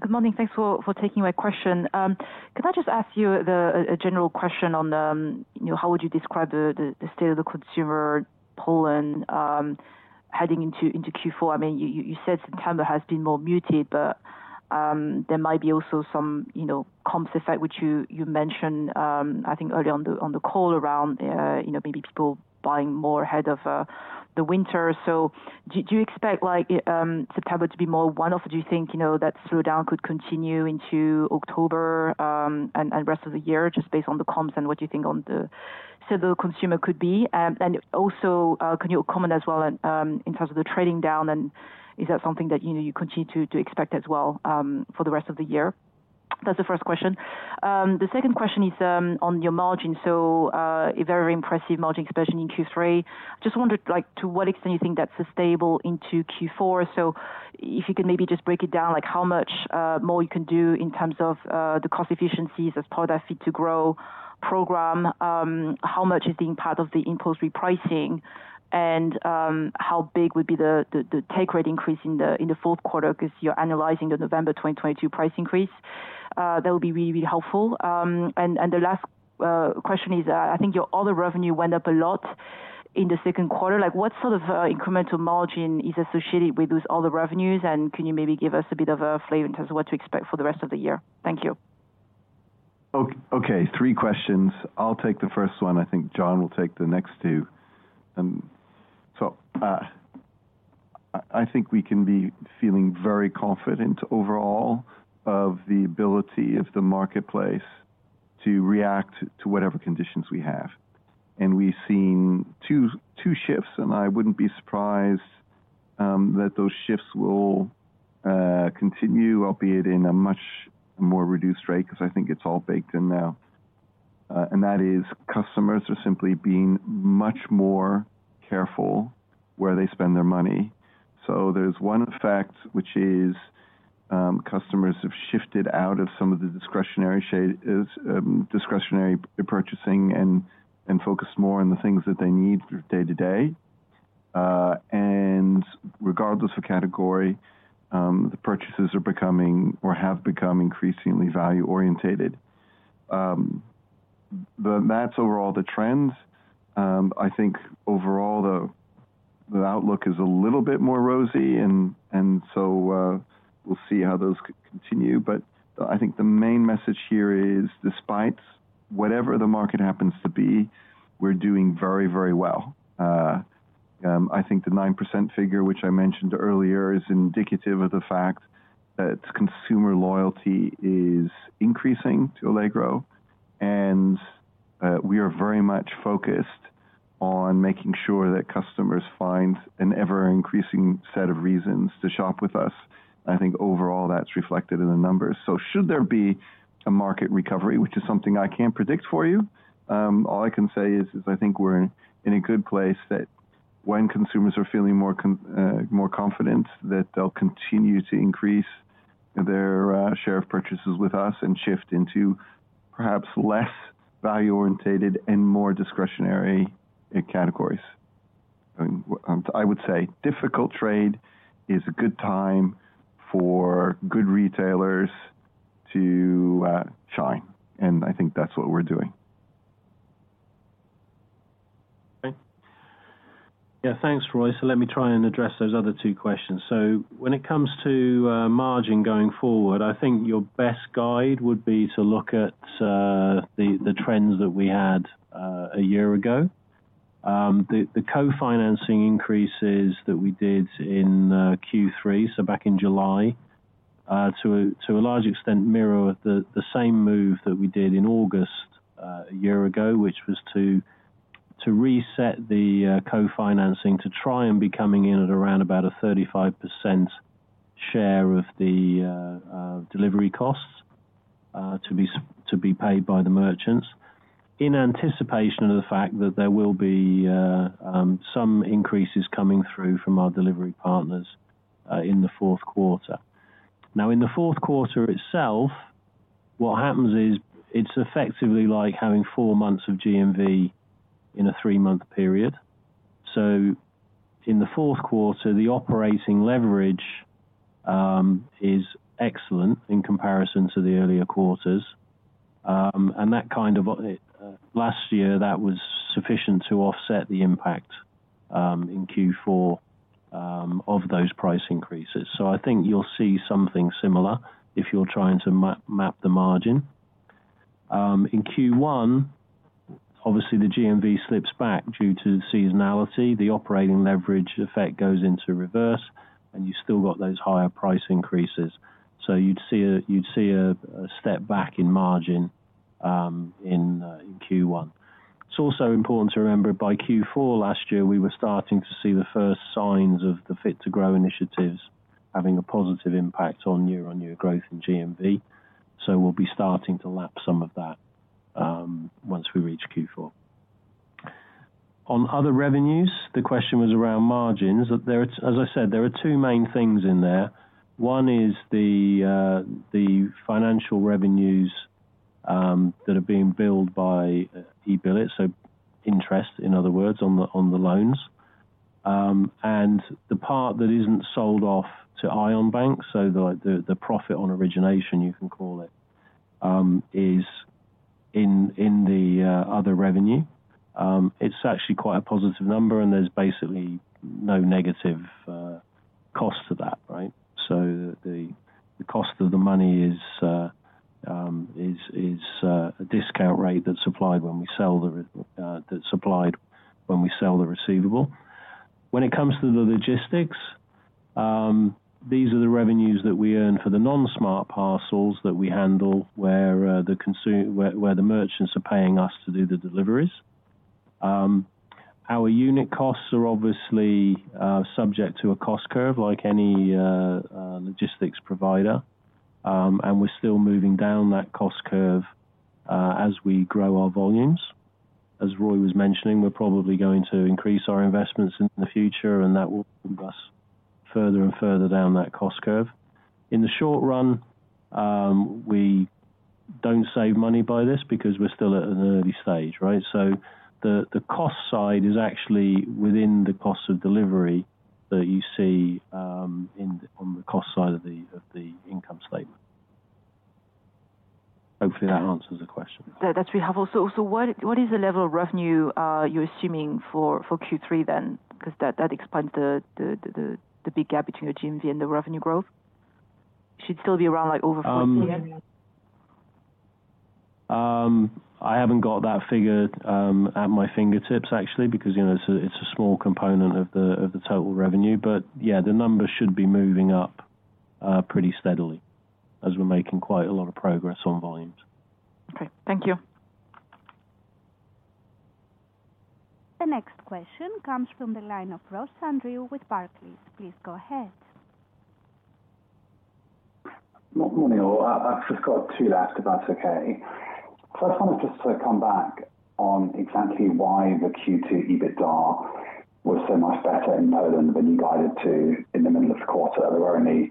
Good morning. Thanks for taking my question. Could I just ask you a general question on, you know, how would you describe the state of the consumer Poland, heading into Q4? I mean, you said September has been more muted, but there might be also some, you know, comps effect, which you mentioned, I think earlier on the call around, you know, maybe people buying more ahead of the winter. So do you expect, like, September to be more one-off? Do you think, you know, that slowdown could continue into October, and rest of the year, just based on the comps and what you think on the… so the consumer could be, and also, can you comment as well, and, in terms of the trading down, and is that something that, you know, you continue to expect as well, for the rest of the year? That's the first question. The second question is on your margin. So, a very impressive margin expansion in Q3. Just wondered, like, to what extent you think that's sustainable into Q4? So if you can maybe just break it down, like, how much more you can do in terms of the cost efficiencies as part of Fit to Grow program? How much is being part of the impulse repricing, and how big would be the Take Rate increase in the fourth quarter because you're analyzing the November 2022 price increase? That would be really, really helpful. And the last question is, I think your other revenue went up a lot in the second quarter. Like, what sort of incremental margin is associated with those other revenues, and can you maybe give us a bit of a flavor in terms of what to expect for the rest of the year? Thank you. Okay, three questions. I'll take the first one. I think John will take the next two. So I think we can be feeling very confident overall of the ability of the marketplace to react to whatever conditions we have. And we've seen two shifts, and I wouldn't be surprised that those shifts will continue, albeit in a much more reduced rate, 'cause I think it's all baked in now. And that is, customers are simply being much more careful where they spend their money. So there's one fact, which is, customers have shifted out of some of the discretionary shade, discretionary purchasing and focused more on the things that they need day-to-day. And regardless of category, the purchases are becoming or have become increasingly value-oriented. That's overall the trends. I think overall, the outlook is a little bit more rosy, and so, we'll see how those could continue. But I think the main message here is, despite whatever the market happens to be, we're doing very, very well. I think the 9% figure, which I mentioned earlier, is indicative of the fact that consumer loyalty is increasing to Allegro, and, we are very much focused on making sure that customers find an ever-increasing set of reasons to shop with us. I think overall, that's reflected in the numbers. Should there be a market recovery, which is something I can't predict for you, all I can say is I think we're in a good place that when consumers are feeling more confident, that they'll continue to increase their share of purchases with us and shift into perhaps less value-oriented and more discretionary categories. I mean, I would say difficult trade is a good time for good retailers to shine, and I think that's what we're doing. Okay. Yeah, thanks, Roy. So let me try and address those other two questions. So when it comes to margin going forward, I think your best guide would be to look at the trends that we had a year ago. The co-financing increases that we did in Q3, so back in July, to a large extent, mirror the same move that we did in August a year ago, which was to reset the co-financing, to try and be coming in at around about a 35% share of the delivery costs to be paid by the merchants, in anticipation of the fact that there will be some increases coming through from our delivery partners in the fourth quarter. Now, in the fourth quarter itself, what happens is it's effectively like having four months of GMV in a three-month period. So in the fourth quarter, the operating leverage is excellent in comparison to the earlier quarters. And that kind of last year, that was sufficient to offset the impact in Q4 of those price increases. So I think you'll see something similar if you're trying to map the margin. In Q1, obviously, the GMV slips back due to seasonality. The operating leverage effect goes into reverse, and you've still got those higher price increases. So you'd see a step back in margin in Q1. It's also important to remember, by Q4 last year, we were starting to see the first signs of the Fit to Grow initiatives having a positive impact on year-on-year growth in GMV. So we'll be starting to lap some of that once we reach Q4. On other revenues, the question was around margins. There is, as I said, there are two main things in there. One is the financial revenues that are being billed by Ebillit, so interest, in other words, on the loans. And the part that isn't sold off to Aion Bank, so the profit on origination, you can call it, is in the other revenue. It's actually quite a positive number, and there's basically no negative cost to that, right? So the cost of the money is a discount rate that's supplied when we sell the receivable. When it comes to the logistics, these are the revenues that we earn for the non-Smart parcels that we handle, where the merchants are paying us to do the deliveries. Our unit costs are obviously subject to a cost curve like any logistics provider. We're still moving down that cost curve as we grow our volumes. As Roy was mentioning, we're probably going to increase our investments in the future, and that will move us further and further down that cost curve. In the short run, we don't save money by this because we're still at an early stage, right? The cost side is actually within the cost of delivery that you see on the cost side of the income statement. Hopefully, that answers the question. Yeah, that's helpful. So what is the level of revenue you're assuming for Q3 then? Because that explains the big gap between your GMV and the revenue growth. Should still be around, like, over 40 million. I haven't got that figure at my fingertips, actually, because, you know, it's a small component of the total revenue. But yeah, the numbers should be moving up pretty steadily as we're making quite a lot of progress on volumes. Okay, thank you. The next question comes from the line of Andrew Ross with Barclays. Please go ahead. Good morning, all. I've just got two left, if that's okay. So I just wanted to come back on exactly why the Q2 EBITDA was so much better in Poland than you guided to in the middle of the quarter. There were only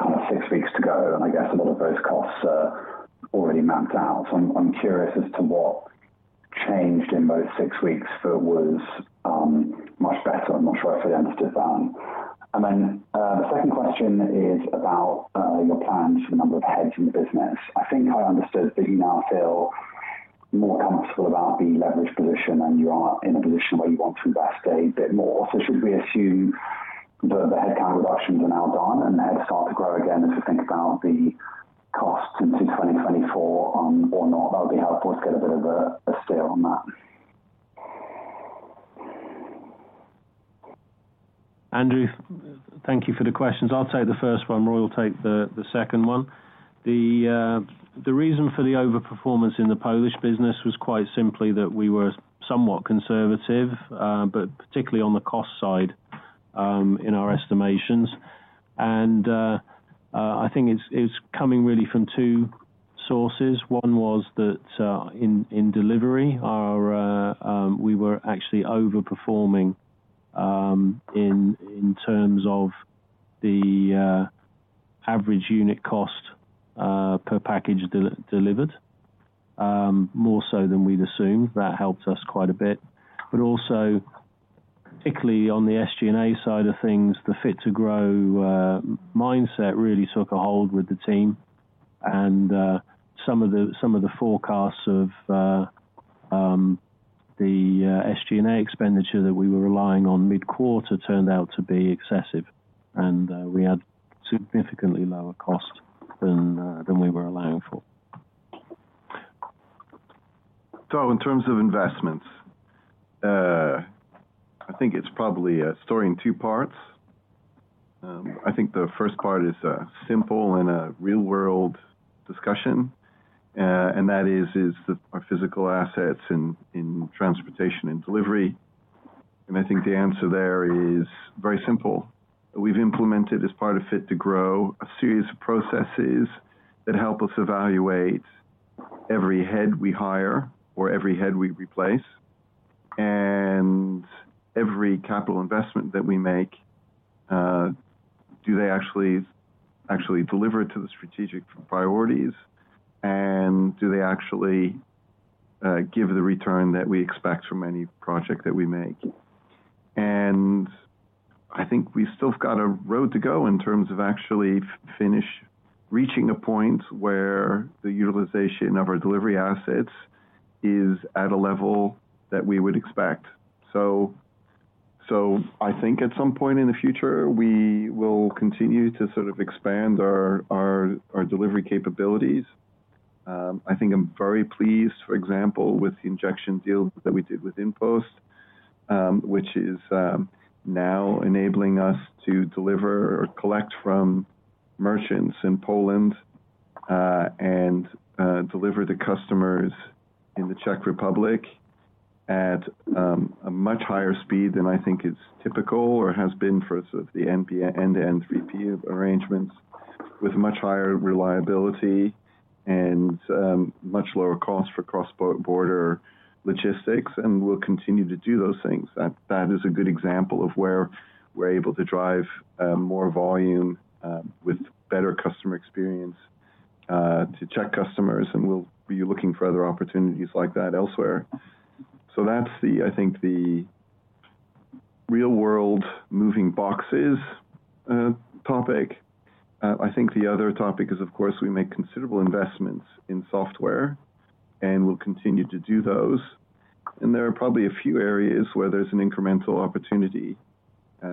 kind of six weeks to go, and I guess a lot of those costs are already mapped out. So I'm curious as to what changed in those six weeks that was much better. I'm not sure I fully understood that. And then, the second question is about your plans for the number of heads in the business. I think I understood that you now feel more comfortable about the leverage position, and you are in a position where you want to invest a bit more. So should we assume that the headcount reductions are now done and they'll start to grow again, as you think about the costs into 2024, or not? That would be helpful to get a bit of a steer on that. Andrew, thank you for the questions. I'll take the first one. Roy will take the second one. The reason for the overperformance in the Polish business was quite simply that we were somewhat conservative, but particularly on the cost side, in our estimations. And I think it's coming really from two sources. One was that, in delivery, our we were actually overperforming, in terms of the average unit cost, per package delivered, more so than we'd assumed. That helped us quite a bit. But also, particularly on the SG&A side of things, the Fit to Grow mindset really took a hold with the team. And some of the forecasts of the SG&A expenditure that we were relying on mid-quarter turned out to be excessive, and we had significantly lower cost than we were allowing for. So in terms of investments, I think it's probably a story in two parts. I think the first part is simple and a real-world discussion, and that is our physical assets in transportation and delivery. And I think the answer there is very simple. We've implemented, as part of Fit to Grow, a series of processes that help us evaluate every head we hire or every head we replace, and every capital investment that we make, do they actually deliver to the strategic priorities? And do they actually give the return that we expect from any project that we make? And I think we've still got a road to go in terms of actually finish reaching a point where the utilization of our delivery assets is at a level that we would expect. So, I think at some point in the future, we will continue to sort of expand our delivery capabilities. I think I'm very pleased, for example, with the integration deal that we did with InPost, which is now enabling us to deliver or collect from merchants in Poland, and deliver to customers in the Czech Republic at a much higher speed than I think is typical or has been for sort of the end-to-end 3P arrangements, with much higher reliability and much lower cost for cross-border logistics, and we'll continue to do those things. That is a good example of where we're able to drive more volume with better customer experience to Czech customers, and we'll be looking for other opportunities like that elsewhere. So that's the, I think, real-world moving boxes topic. I think the other topic is, of course, we make considerable investments in software, and we'll continue to do those. And there are probably a few areas where there's an incremental opportunity.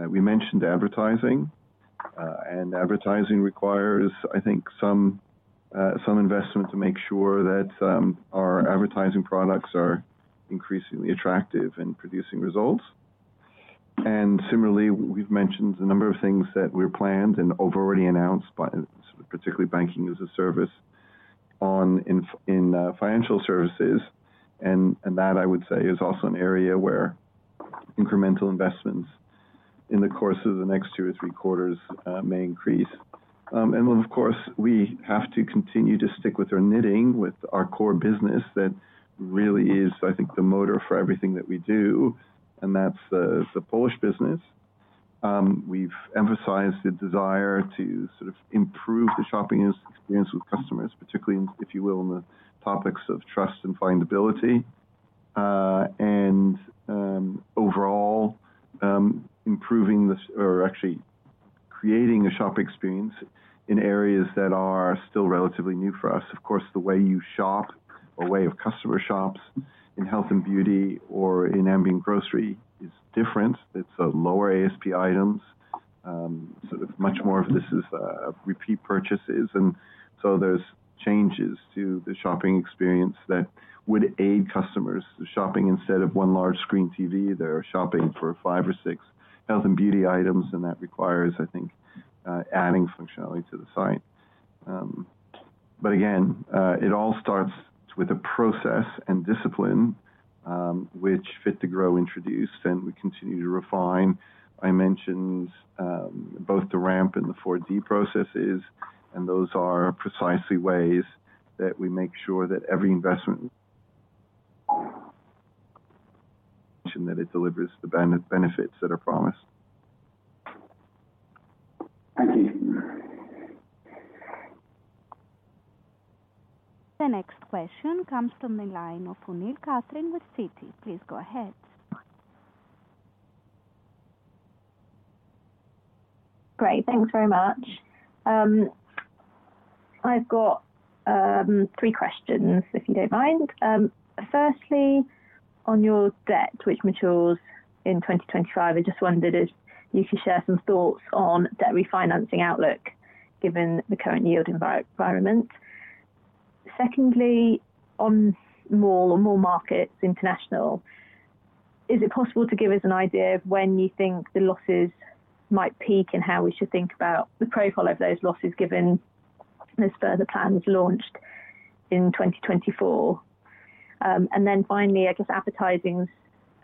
We mentioned advertising, and advertising requires, I think, some investment to make sure that our advertising products are increasingly attractive in producing results. And similarly, we've mentioned a number of things that we've planned and have already announced, but particularly Banking as a Service in financial services, and that, I would say, is also an area where incremental investments in the course of the next two or three quarters may increase. And of course, we have to continue to stick with our knitting, with our core business. That really is, I think, the motor for everything that we do, and that's the Polish business. We've emphasized the desire to sort of improve the shopping experience with customers, particularly, if you will, on the topics of trust and findability. Overall, improving this or actually creating a shop experience in areas that are still relatively new for us. Of course, the way you shop or way of customer shops in health and beauty or in ambient grocery is different. It's a lower ASP items, so much more of this is repeat purchases, and so there's changes to the shopping experience that would aid customers. The shopping, instead of one large screen TV, they're shopping for five or six health and beauty items, and that requires, I think, adding functionality to the site. But again, it all starts with a process and discipline, which Fit to Grow introduced, and we continue to refine. I mentioned both the ramp and the four D processes, and those are precisely ways that we make sure that every investment, that it delivers the benefits that are promised. Thank you. The next question comes from the line of Catherine O'Neill with Citi. Please go ahead. Great, thanks very much. I've got three questions, if you don't mind. Firstly, on your debt, which matures in 2025, I just wondered if you could share some thoughts on debt refinancing outlook, given the current yield environment. Secondly, on Mall or Mall Markets International, is it possible to give us an idea of when you think the losses might peak and how we should think about the profile of those losses, given those further plans launched in 2024? And then finally, I guess advertising's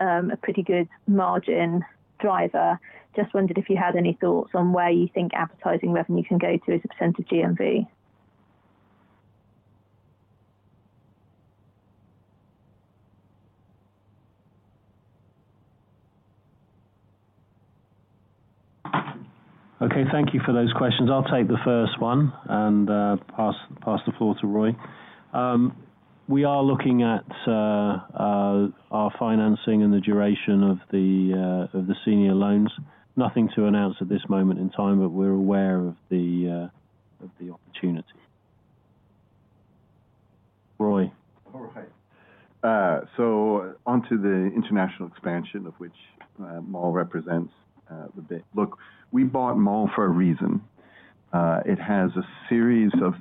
a pretty good margin driver. Just wondered if you had any thoughts on where you think advertising revenue can go to as a percent of GMV. Okay, thank you for those questions. I'll take the first one and pass the floor to Roy. We are looking at our financing and the duration of the senior loans. Nothing to announce at this moment in time, but we're aware of the opportunity. Roy? All right. On to the international expansion, of which Mall represents the bit. Look, we bought Mall for a reason. It has a series of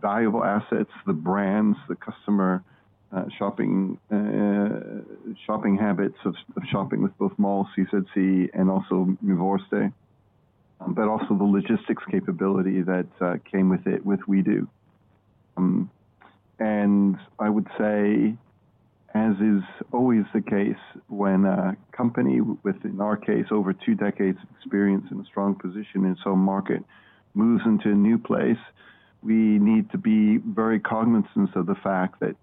valuable assets, the brands, the customer, shopping habits of shopping with both Mall, CZC, and also Mimovrste, but also the logistics capability that came with it, with WE|DO. I would say, as is always the case, when a company with, in our case, over two decades of experience and a strong position in some market, moves into a new place, we need to be very cognizant of the fact that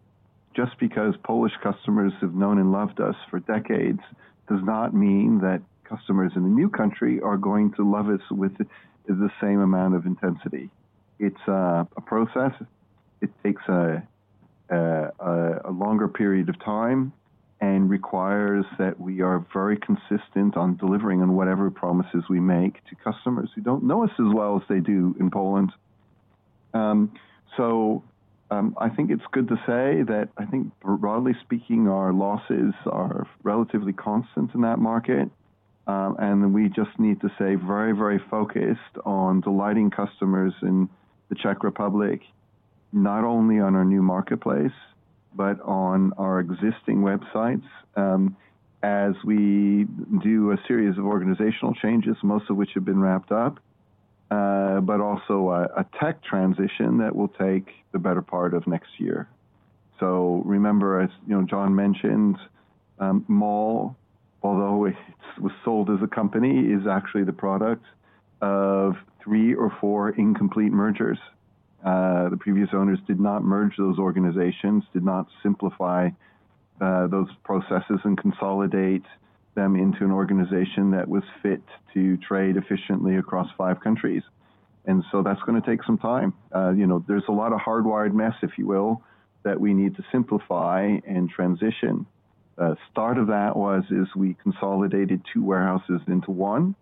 just because Polish customers have known and loved us for decades, does not mean that customers in a new country are going to love us with the same amount of intensity. It's a process. It takes a longer period of time and requires that we are very consistent on delivering on whatever promises we make to customers who don't know us as well as they do in Poland. So, I think it's good to say that I think, broadly speaking, our losses are relatively constant in that market, and we just need to stay very, very focused on delighting customers in the Czech Republic, not only on our new marketplace, but on our existing websites, as we do a series of organizational changes, most of which have been wrapped up, but also a tech transition that will take the better part of next year. So remember, as you know, Jon mentioned, Mall, although it was sold as a company, is actually the product of three or four incomplete mergers. The previous owners did not merge those organizations, did not simplify, those processes and consolidate them into an organization that was fit to trade efficiently across five countries. And so that's going to take some time. You know, there's a lot of hardwired mess, if you will, that we need to simplify and transition. Start of that was, is we consolidated two warehouses into one.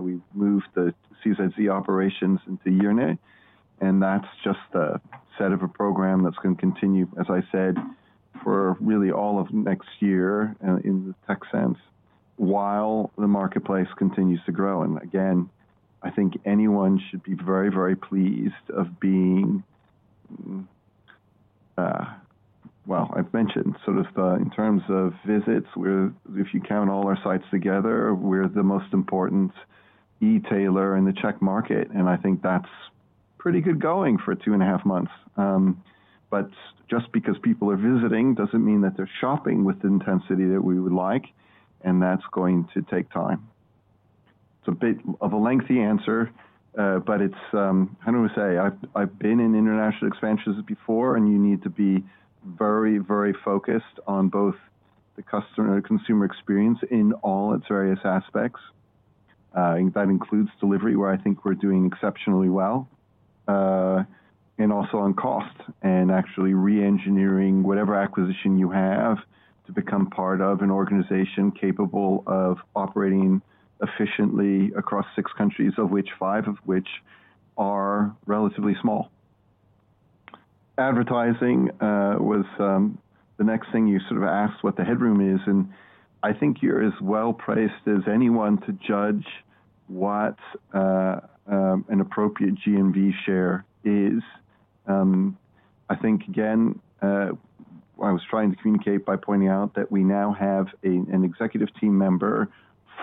We've moved the CZC operations into Irnet, and that's just a set of a program that's going to continue, as I said, for really all of next year, in the tech sense. While the marketplace continues to grow, and again, I think anyone should be very, very pleased of being, well, I've mentioned sort of the, in terms of visits, we're—if you count all our sites together, we're the most important e-tailer in the Czech market, and I think that's pretty good going for two and a half months. But just because people are visiting, doesn't mean that they're shopping with the intensity that we would like, and that's going to take time. It's a bit of a lengthy answer, but it's, how do I say? I've been in international expansions before, and you need to be very, very focused on both the customer-consumer experience in all its various aspects. And that includes delivery, where I think we're doing exceptionally well, and also on cost, and actually reengineering whatever acquisition you have to become part of an organization capable of operating efficiently across six countries, of which five are relatively small. Advertising was the next thing you sort of asked what the headroom is, and I think you're as well-placed as anyone to judge what an appropriate GMV share is. I think, again, what I was trying to communicate by pointing out that we now have an executive team member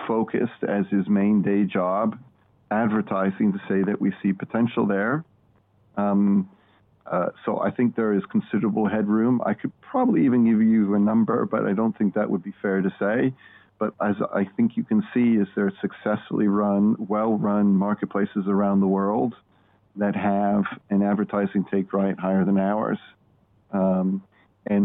focused as his main day job, advertising, to say that we see potential there. So I think there is considerable headroom. I could probably even give you a number, but I don't think that would be fair to say. But as I think you can see, there are successfully run, well-run marketplaces around the world, that have an advertising take rate higher than ours. And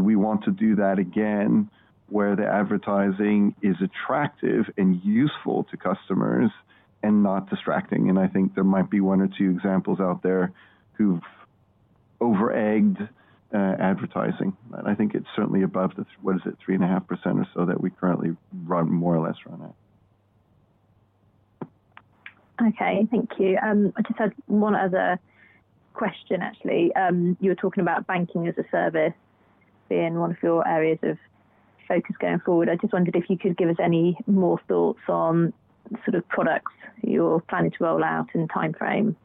we want to do that again, where the advertising is attractive and useful to customers and not distracting. And I think there might be one or two examples out there who've over-egged advertising. I think it's certainly above the, what is it? 3.5% or so, that we currently run, more or less run at. Okay, thank you. I just had one other question, actually. You were talking about banking as a service, being one of your areas of focus going forward. I just wondered if you could give us any more thoughts on sort of products you're planning to roll out in the timeframe?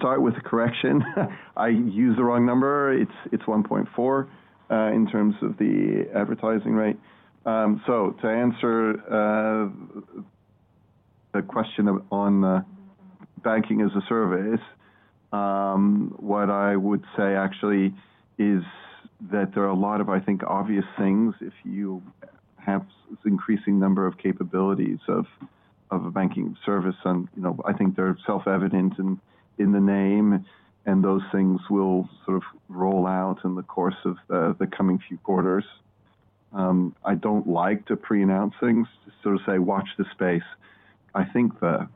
Start with the correction. I used the wrong number. It's 1.4 in terms of the advertising rate. So to answer the question of, on, banking as a service, what I would say actually is that there are a lot of, I think, obvious things if you have this increasing number of capabilities of, of a banking service. And, you know, I think they're self-evident in, in the name, and those things will sort of roll out in the course of, the coming few quarters. I don't like to preannounce things, so say, watch this space. I think the,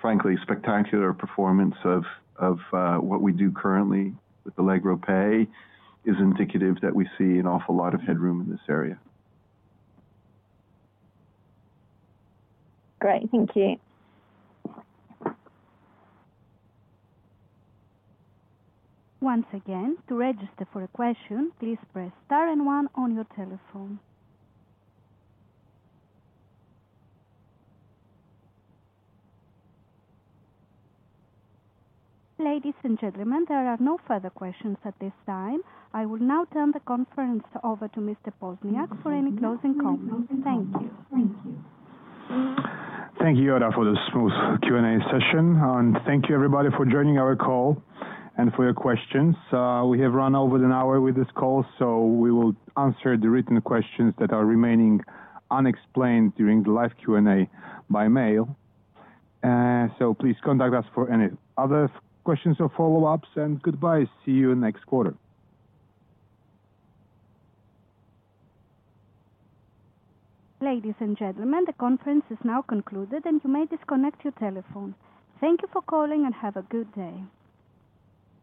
frankly, spectacular performance of, of, what we do currently with Allegro Pay is indicative that we see an awful lot of headroom in this area. Great, thank you. Once again, to register for a question, please press star and one on your telephone. Ladies and gentlemen, there are no further questions at this time. I will now turn the conference over to Mr. Poźniak for any closing comments. Thank you. Thank you, Yoda, for the smooth Q&A session, and thank you, everybody, for joining our call and for your questions. We have run over an hour with this call, so we will answer the written questions that are remaining unexplained during the live Q&A by mail. So please contact us for any other questions or follow-ups, and goodbye. See you next quarter. Ladies and gentlemen, the conference is now concluded, and you may disconnect your telephone. Thank you for calling, and have a good day.